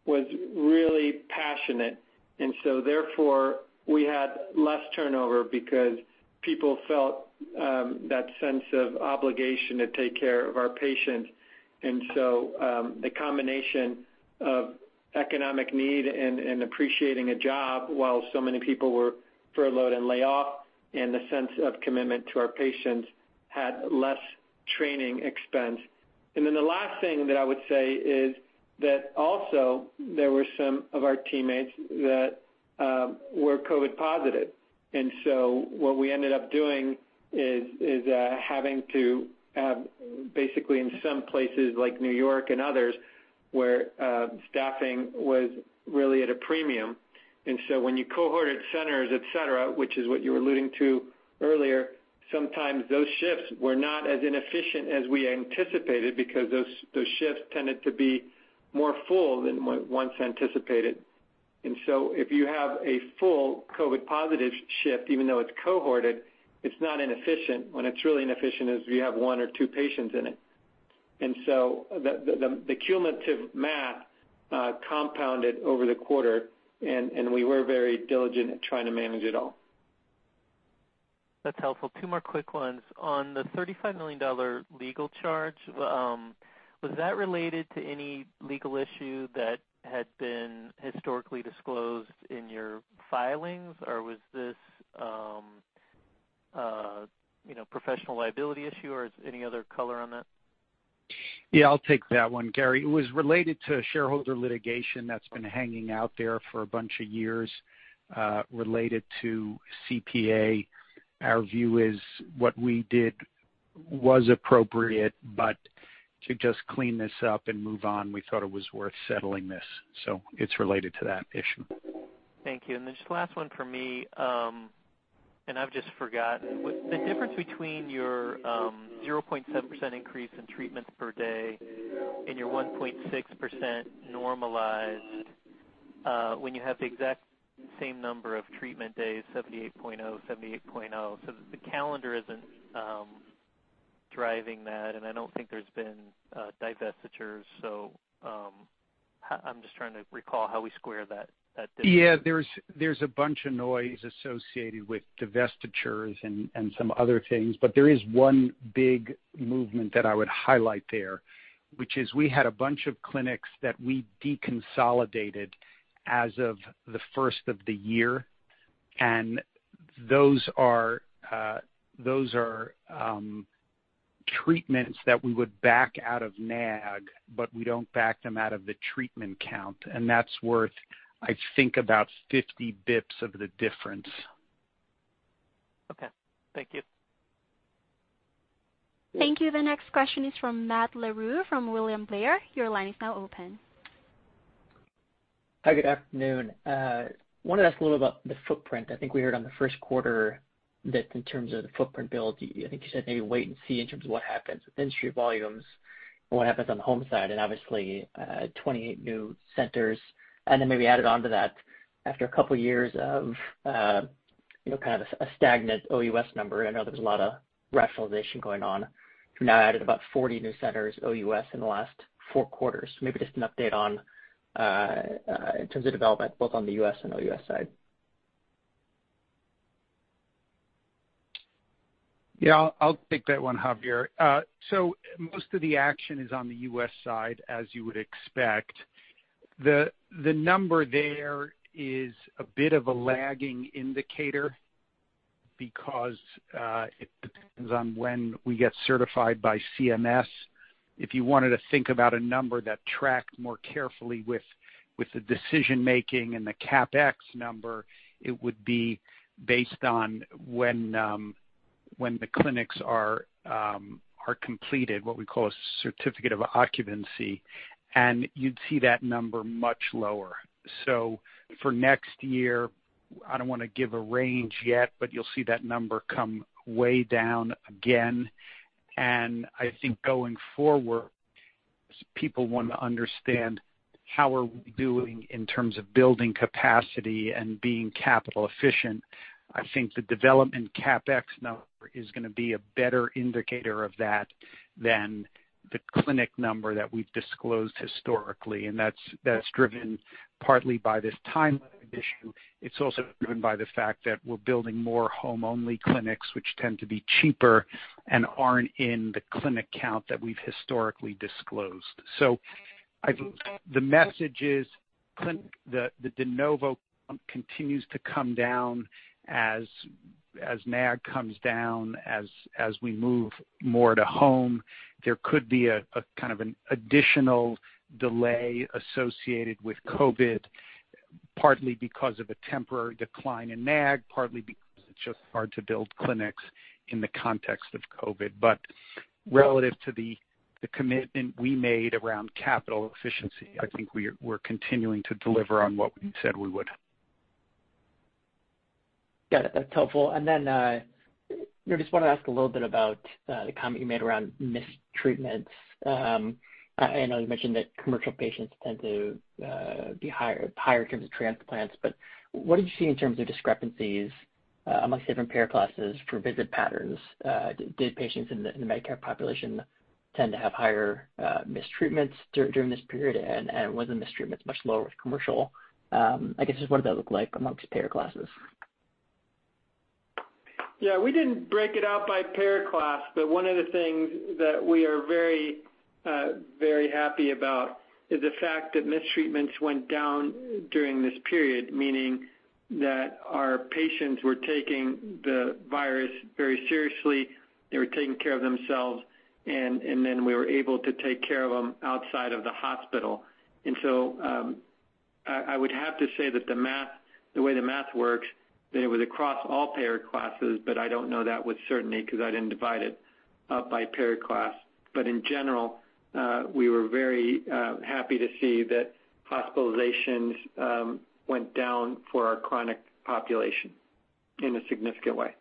was really passionate, and so therefore, we had less turnover because people felt that sense of obligation to take care of our patients. The combination of economic need and appreciating a job while so many people were furloughed and laid off, and the sense of commitment to our patients had less training expense. The last thing that I would say is that also there were some of our teammates that were COVID positive. What we ended up doing is having to have basically in some places like New York and others, where staffing was really at a premium. When you cohorted centers, et cetera, which is what you were alluding to earlier, sometimes those shifts were not as inefficient as we anticipated because those shifts tended to be more full than what once anticipated. If you have a full COVID positive shift, even though it's cohorted, it's not inefficient. When it's really inefficient is if you have one or two patients in it. The cumulative math compounded over the quarter, and we were very diligent at trying to manage it all. That's helpful. Two more quick ones. On the $35 million legal charge, was that related to any legal issue that had been historically disclosed in your filings, or was this a professional liability issue, or any other color on that? Yeah, I'll take that one, Gary. It was related to shareholder litigation that's been hanging out there for a bunch of years, related to CPA. Our view is what we did was appropriate, but to just clean this up and move on, we thought it was worth settling this. It's related to that issue. Thank you. Then just last one for me, I've just forgotten. The difference between your 0.7% increase in treatments per day and your 1.6% normalized, when you have the exact same number of treatment days, 78.0/78.0. The calendar isn't driving that, and I don't think there's been divestitures. I'm just trying to recall how we square that difference. Yeah. There's a bunch of noise associated with divestitures and some other things, but there is one big movement that I would highlight there, which is we had a bunch of clinics that we deconsolidated as of the first of the year. Those are treatments that we would back out of NAG, but we don't back them out of the treatment count. That's worth, I think, about 50 basis points of the difference. Okay. Thank you. Thank you. The next question is from Matt Larew from William Blair. Your line is now open. Hi, good afternoon. Wanted to ask a little about the footprint. I think we heard on the Q1 that in terms of the footprint build, I think you said maybe wait and see in terms of what happens with industry volumes and what happens on the home side and obviously, 28 new centers, and then maybe added on to that after a couple of years of kind of a stagnant OUS number. I know there was a lot of rationalization going on. You've now added about 40 new centers OUS in the last four quarters. Maybe just an update on in terms of development, both on the U.S. and OUS side. Yeah, I'll take that one, Javier. Most of the action is on the U.S. side, as you would expect. The number there is a bit of a lagging indicator because it depends on when we get certified by CMS. If you wanted to think about a number that tracked more carefully with the decision-making and the CapEx number, it would be based on when the clinics are completed, what we call a certificate of occupancy, and you'd see that number much lower. For next year, I don't want to give a range yet, but you'll see that number come way down again. I think going forward, people want to understand how are we doing in terms of building capacity and being capital efficient. I think the development CapEx number is going to be a better indicator of that than the clinic number that we've disclosed historically, and that's driven partly by this timeline issue. It's also driven by the fact that we're building more home-only clinics, which tend to be cheaper and aren't in the clinic count that we've historically disclosed. I think the message is the de novo continues to come down as NAG comes down, as we move more to home. There could be a kind of an additional delay associated with COVID, partly because of a temporary decline in NAG, partly because it's just hard to build clinics in the context of COVID. Relative to the commitment we made around capital efficiency, I think we're continuing to deliver on what we said we would. Got it. That's helpful. Just want to ask a little bit about the comment you made around missed treatments. I know you mentioned that commercial patients tend to be higher in terms of transplants, but what did you see in terms of discrepancies amongst different payer classes for visit patterns? Did patients in the Medicare population tend to have higher missed treatments during this period, and wasn't missed treatments much lower with commercial? I guess just what did that look like amongst payer classes? Yeah, we didn't break it out by payer class, one of the things that we are very happy about is the fact that missed treatments went down during this period, meaning that our patients were taking the virus very seriously. They were taking care of themselves, we were able to take care of them outside of the hospital. I would have to say that the way the math works, that it was across all payer classes, I don't know that with certainty because I didn't divide it up by payer class. In general, we were very happy to see that hospitalizations went down for our chronic population in a significant way.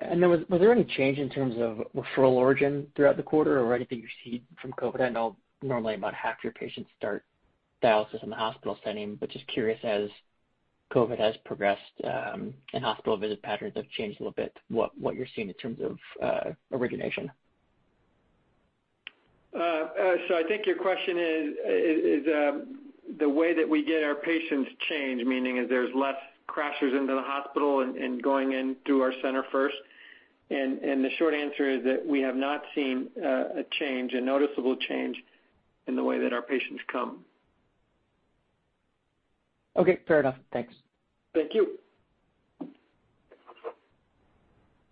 Then was there any change in terms of referral origin throughout the quarter or anything you see from COVID? I know normally about half your patients start dialysis in the hospital setting, but just curious, as COVID has progressed and hospital visit patterns have changed a little bit, what you're seeing in terms of origination. I think your question is the way that we get our patients changed, meaning is there's less crashers into the hospital and going in through our center first. The short answer is that we have not seen a noticeable change in the way that our patients come. Okay. Fair enough. Thanks. Thank you.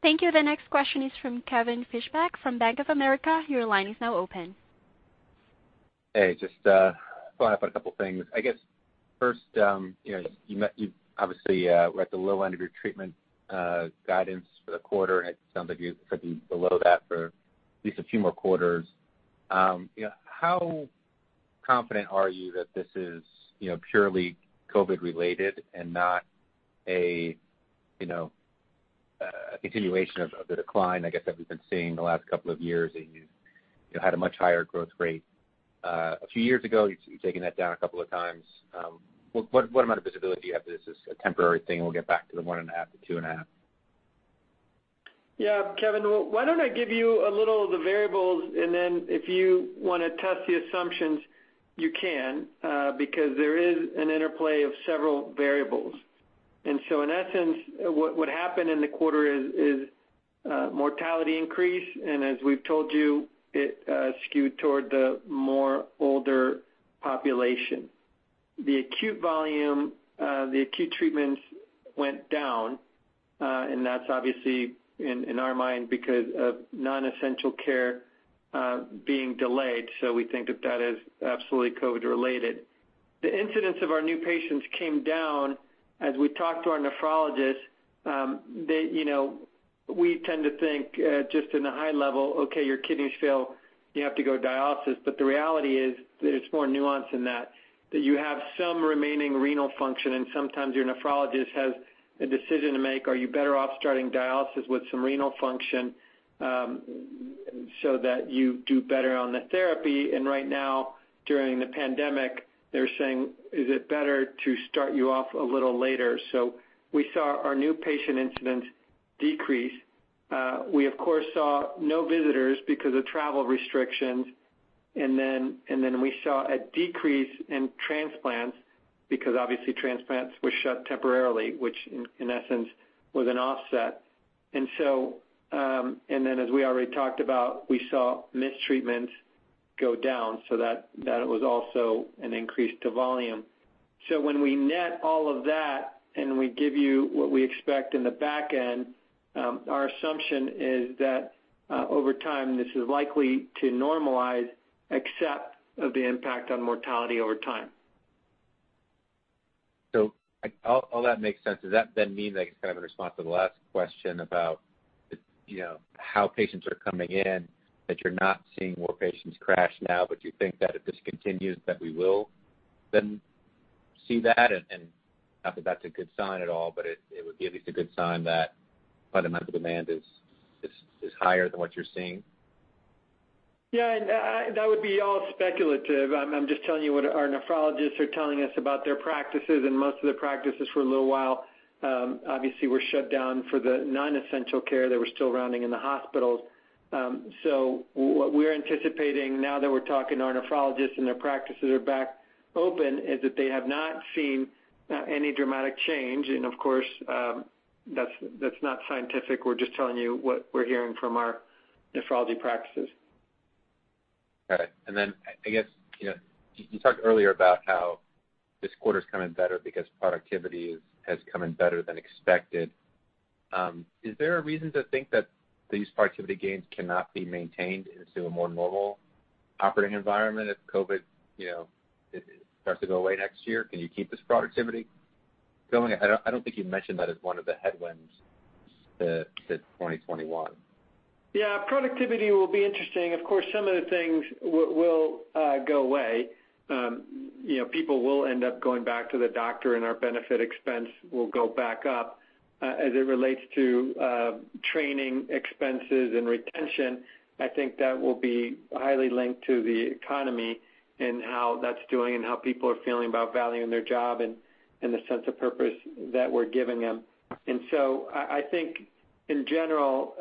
Thank you. The next question is from Kevin Fischbeck from Bank of America. Your line is now open. Hey, just following up on a couple things. I guess first, you obviously were at the low end of your treatment guidance for the quarter, and it sounds like you could be below that for at least a few more quarters. How confident are you that this is purely COVID related and not a continuation of the decline, I guess, that we've been seeing the last couple of years, that you had a much higher growth rate a few years ago. You've taken that down a couple of times. What amount of visibility do you have that this is a temporary thing and we'll get back to the one and a half to two and a half? Kevin, why don't I give you a little of the variables. Then if you want to test the assumptions, you can. There is an interplay of several variables. In essence, what happened in the quarter is mortality increased. As we've told you, it skewed toward the more older population. The acute volume, the acute treatments went down. That's obviously, in our mind, because of non-essential care being delayed. We think that is absolutely COVID related. The incidence of our new patients came down. As we talked to our nephrologists, we tend to think, just in a high level, okay, your kidneys fail, you have to go dialysis. The reality is there's more nuance than that you have some remaining renal function. Sometimes your nephrologist has a decision to make. Are you better off starting dialysis with some renal function so that you do better on the therapy? Right now, during the pandemic, they're saying, "Is it better to start you off a little later?" We saw our new patient incidence decrease. We, of course, saw no visitors because of travel restrictions. We saw a decrease in transplants because obviously transplants were shut temporarily, which in essence was an offset. As we already talked about, we saw missed treatments go down, so that was also an increase to volume. When we net all of that and we give you what we expect in the back end, our assumption is that over time, this is likely to normalize except of the impact on mortality over time. All that makes sense. Does that then mean, like as kind of a response to the last question about how patients are coming in, that you're not seeing more patients crash now, but you think that if this continues that we will then see that? Not that that's a good sign at all, but it would be at least a good sign that fundamental demand is higher than what you're seeing. Yeah, that would be all speculative. I'm just telling you what our nephrologists are telling us about their practices, and most of the practices for a little while, obviously, were shut down for the non-essential care. They were still rounding in the hospitals. What we're anticipating now that we're talking to our nephrologists and their practices are back open, is that they have not seen any dramatic change. Of course, that's not scientific. We're just telling you what we're hearing from our nephrology practices. Got it. I guess, you talked earlier about how this quarter's come in better because productivity has come in better than expected. Is there a reason to think that these productivity gains cannot be maintained into a more normal operating environment if COVID starts to go away next year? Can you keep this productivity going? I don't think you mentioned that as one of the headwinds to 2021. Yeah. Productivity will be interesting. Of course, some of the things will go away. People will end up going back to the doctor, and our benefit expense will go back up. As it relates to training expenses and retention, I think that will be highly linked to the economy and how that's doing and how people are feeling about valuing their job and the sense of purpose that we're giving them. I think in general,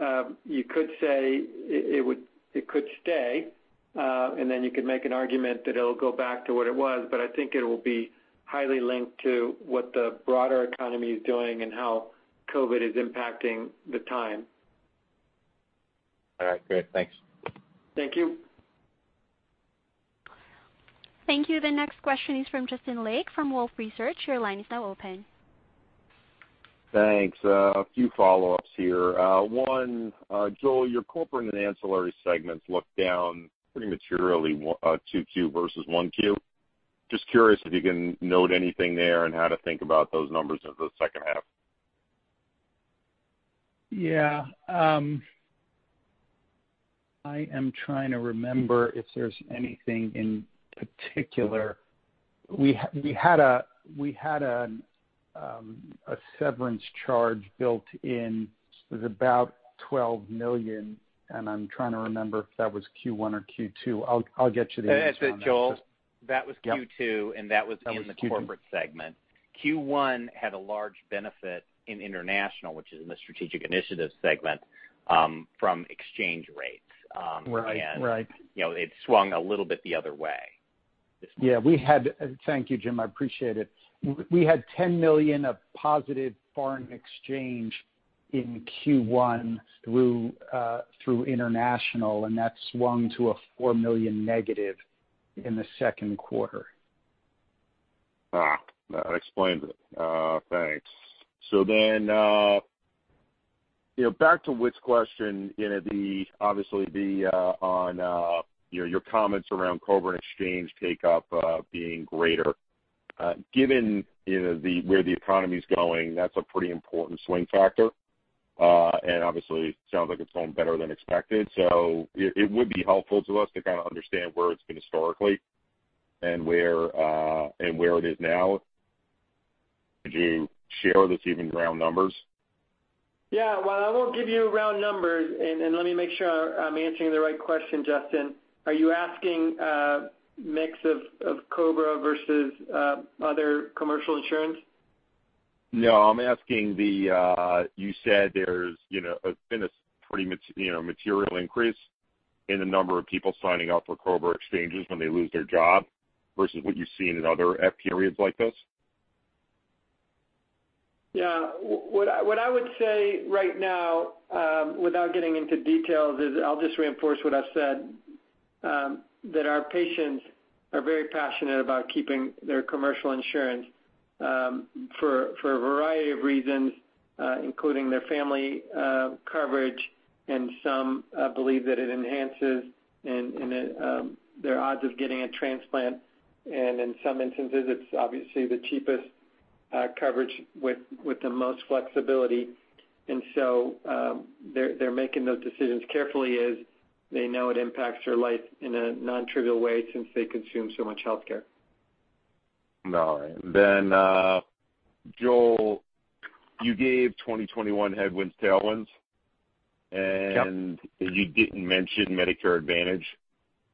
you could say it could stay, and then you could make an argument that it'll go back to what it was. I think it will be highly linked to what the broader economy is doing and how COVID is impacting the time. All right, great. Thanks. Thank you. Thank you. The next question is from Justin Lake from Wolfe Research. Your line is now open. Thanks. A few follow-ups here. One, Joel, your corporate and ancillary segments look down pretty materially, Q2 versus Q1. Just curious if you can note anything there and how to think about those numbers into the H2. Yeah. I am trying to remember if there's anything in particular. We had a severance charge built in. It was about $12 million, and I'm trying to remember if that was Q1 or Q2. I'll get you the answer on that. That was Q2, and that was in the Corporate segment. Q1 had a large benefit in international, which is in the Strategic Initiatives segment, from exchange rates. Right. It swung a little bit the other way. Yeah. Thank you, Jim. I appreciate it. We had $10 million of positive foreign exchange in Q1 through international, and that swung to a $4 million negative in the Q2. That explains it. Thanks. Back to Whit's question, obviously on your comments around COBRA and exchange take-up being greater. Given where the economy's going, that's a pretty important swing factor. Obviously, it sounds like it's going better than expected. It would be helpful to us to kind of understand where it's been historically and where it is now. Could you share with us even round numbers? Yeah. While I won't give you round numbers, and let me make sure I'm answering the right question, Justin. Are you asking mix of COBRA versus other commercial insurance? No, I'm asking. You said there's been a pretty material increase in the number of people signing up for COBRA exchanges when they lose their job versus what you've seen in other periods like this. Yeah. What I would say right now, without getting into details, is I'll just reinforce what I've said, that our patients are very passionate about keeping their commercial insurance, for a variety of reasons, including their family coverage and some believe that it enhances their odds of getting a transplant. In some instances, it's obviously the cheapest coverage with the most flexibility. They're making those decisions carefully as they know it impacts their life in a non-trivial way since they consume so much healthcare. All right. Joel, you gave 2021 headwinds/tailwinds, and you didn't mention Medicare Advantage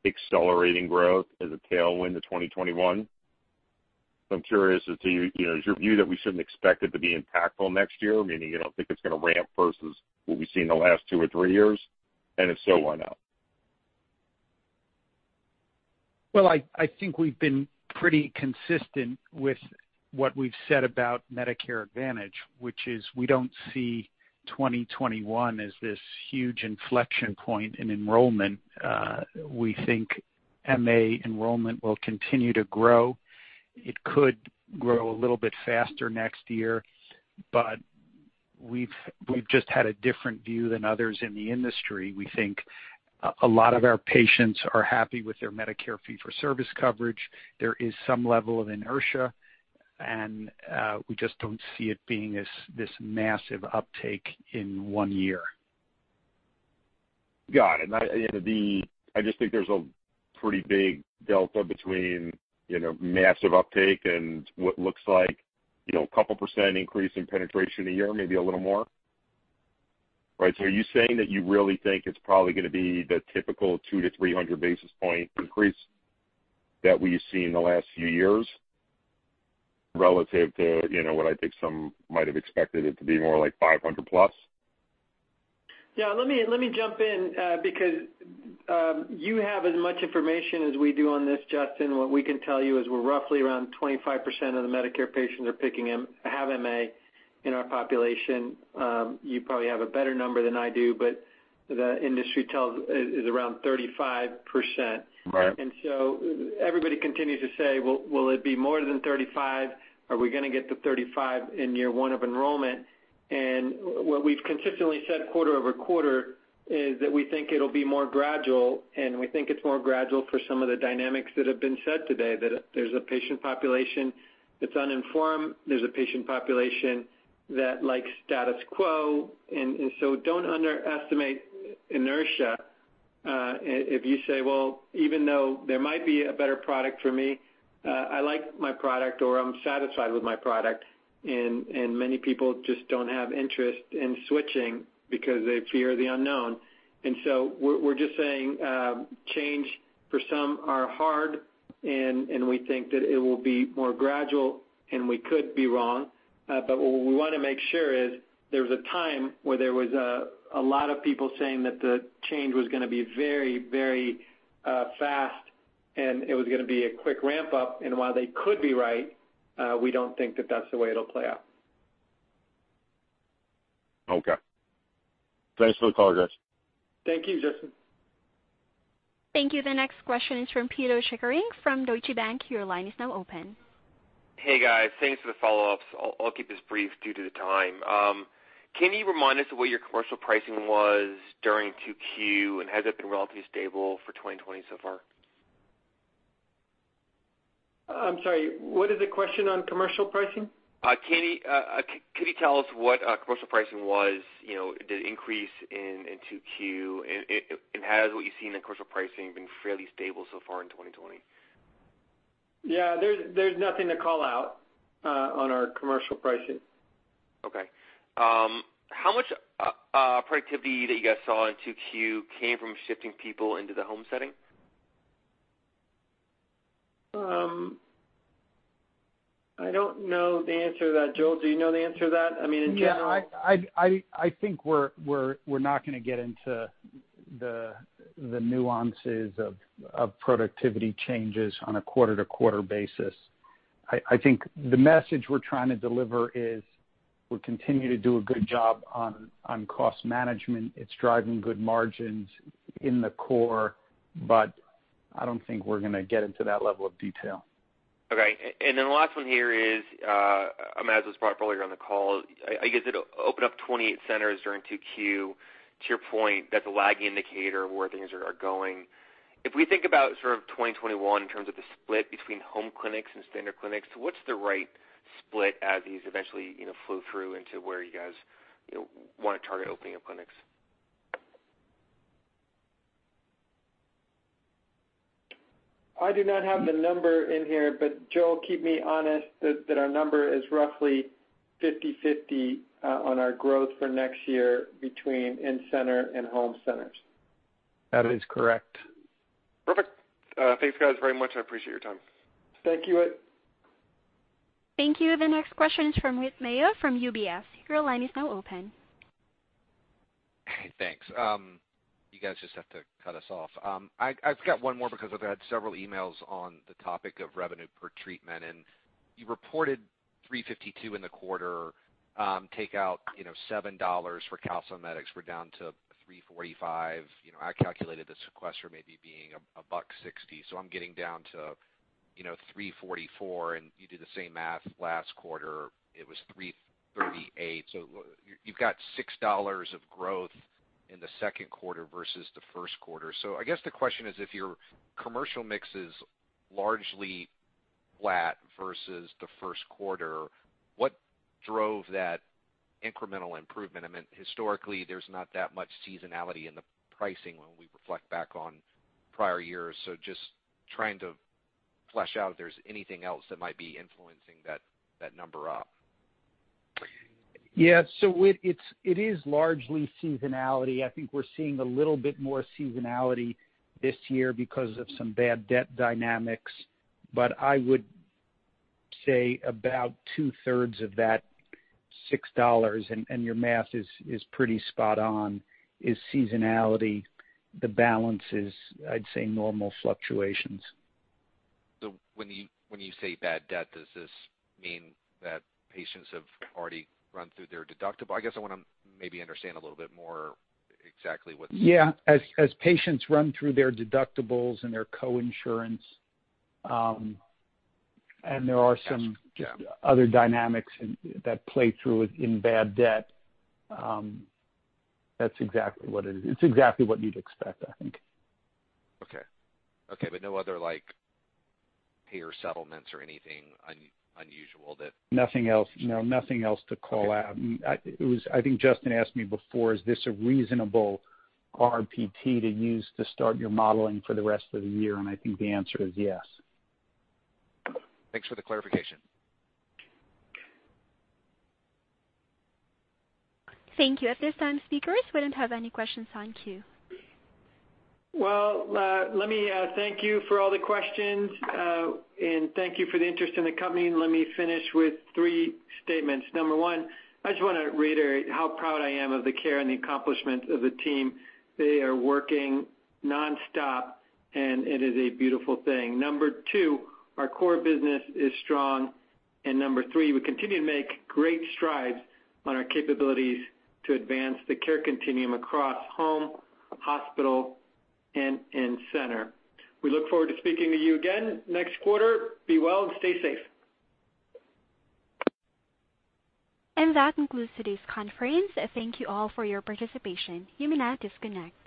accelerating growth as a tailwind to 2021. I'm curious as to your view that we shouldn't expect it to be impactful next year, meaning you don't think it's going to ramp versus what we've seen in the last two or three years? If so, why not? Well, I think we've been pretty consistent with what we've said about Medicare Advantage, which is we don't see 2021 as this huge inflection point in enrollment. We think MA enrollment will continue to grow. It could grow a little bit faster next year, but we've just had a different view than others in the industry. We think a lot of our patients are happy with their Medicare fee for service coverage. There is some level of inertia. We just don't see it being this massive uptake in one year. Got it. I just think there's a pretty big delta between massive uptake and what looks like a couple % increase in penetration a year, maybe a little more. Right. Are you saying that you really think it's probably going to be the typical 200-300 basis point increase that we've seen in the last few years relative to what I think some might have expected it to be more like 500+? Yeah, let me jump in, because you have as much information as we do on this, Justin. What we can tell you is we're roughly around 25% of the Medicare patients have MA in our population. The industry tell is around 35%. Right. Everybody continues to say, "Well, will it be more than 35? Are we going to get to 35 in year one of enrollment?" What we've consistently said quarter-over-quarter is that we think it'll be more gradual, and we think it's more gradual for some of the dynamics that have been said today, that there's a patient population that's uninformed, there's a patient population that likes status quo, and so don't underestimate inertia. If you say, "Well, even though there might be a better product for me, I like my product or I'm satisfied with my product," and many people just don't have interest in switching because they fear the unknown. We're just saying change for some are hard, and we think that it will be more gradual and we could be wrong. What we want to make sure is there was a time where there was a lot of people saying that the change was gonna be very fast and it was gonna be a quick ramp-up. While they could be right, we don't think that that's the way it'll play out. Okay. Thanks for the call, guys. Thank you, Justin. Thank you. The next question is from Pito Chickering from Deutsche Bank. Your line is now open. Hey, guys. Thanks for the follow-ups. I'll keep this brief due to the time. Can you remind us of what your commercial pricing was during Q2, and has it been relatively stable for 2020 so far? I'm sorry, what is the question on commercial pricing? Can you tell us what commercial pricing was? Did it increase in Q2, and has what you've seen in commercial pricing been fairly stable so far in 2020? Yeah. There's nothing to call out on our commercial pricing. How much productivity that you guys saw in Q2 came from shifting people into the home setting? I don't know the answer to that. Joel, do you know the answer to that? I mean, in general- I think we're not going to get into the nuances of productivity changes on a quarter-to-quarter basis. I think the message we're trying to deliver is we continue to do a good job on cost management. It's driving good margins in the core. I don't think we're going to get into that level of detail. Okay, the last one here is, Javier's brought earlier on the call, I guess it opened up 28 centers during Q2. To your point, that's a lag indicator of where things are going. If we think about sort of 2021 in terms of the split between home clinics and standard clinics, what's the right split as these eventually flow through into where you guys want to target opening up clinics? I do not have the number in here, but Joel, keep me honest that our number is roughly 50/50 on our growth for next year between in-center and home centers. That is correct. Perfect. Thanks, guys, very much. I appreciate your time. Thank you, Ed. Thank you. The next question is from Whit Mayo from UBS. Your line is now open. Thanks. You guys just have to cut us off. I've got one more because I've had several emails on the topic of revenue per treatment. You reported $352 in the quarter. Take out $7 for calcimimetics, we're down to $345. I calculated the sequester maybe being $1.60. I'm getting down to $344, you did the same math last quarter, it was $338. You've got $6 of growth in the Q2 versus the Q1. I guess the question is, if your commercial mix is largely flat versus the Q1, what drove that incremental improvement? I mean, historically, there's not that much seasonality in the pricing when we reflect back on prior years. Just trying to flesh out if there's anything else that might be influencing that number up. Yeah. It is largely seasonality. I think we're seeing a little bit more seasonality this year because of some bad debt dynamics, but I would say about two-thirds of that $6, and your math is pretty spot on, is seasonality. The balance is, I'd say, normal fluctuations. When you say bad debt, does this mean that patients have already run through their deductible? Yeah. As patients run through their deductibles and their co-insurance, and there are some other dynamics that play through in bad debt. That's exactly what it is. It's exactly what you'd expect, I think. Okay. No other payer settlements or anything unusual. Nothing else. No, nothing else to call out. Okay. I think Justin asked me before, is this a reasonable RPT to use to start your modeling for the rest of the year, and I think the answer is yes. Thanks for the clarification. Thank you. At this time, speakers, we don't have any questions in queue. Well, let me thank you for all the questions, and thank you for the interest in the company, and let me finish with three statements. Number one, I just want to reiterate how proud I am of the care and the accomplishment of the team. They are working non-stop, and it is a beautiful thing. Number two, our core business is strong. Number three, we continue to make great strides on our capabilities to advance the care continuum across home, hospital, and in-center. We look forward to speaking to you again next quarter. Be well and stay safe. That concludes today's conference. Thank you all for your participation. You may now disconnect.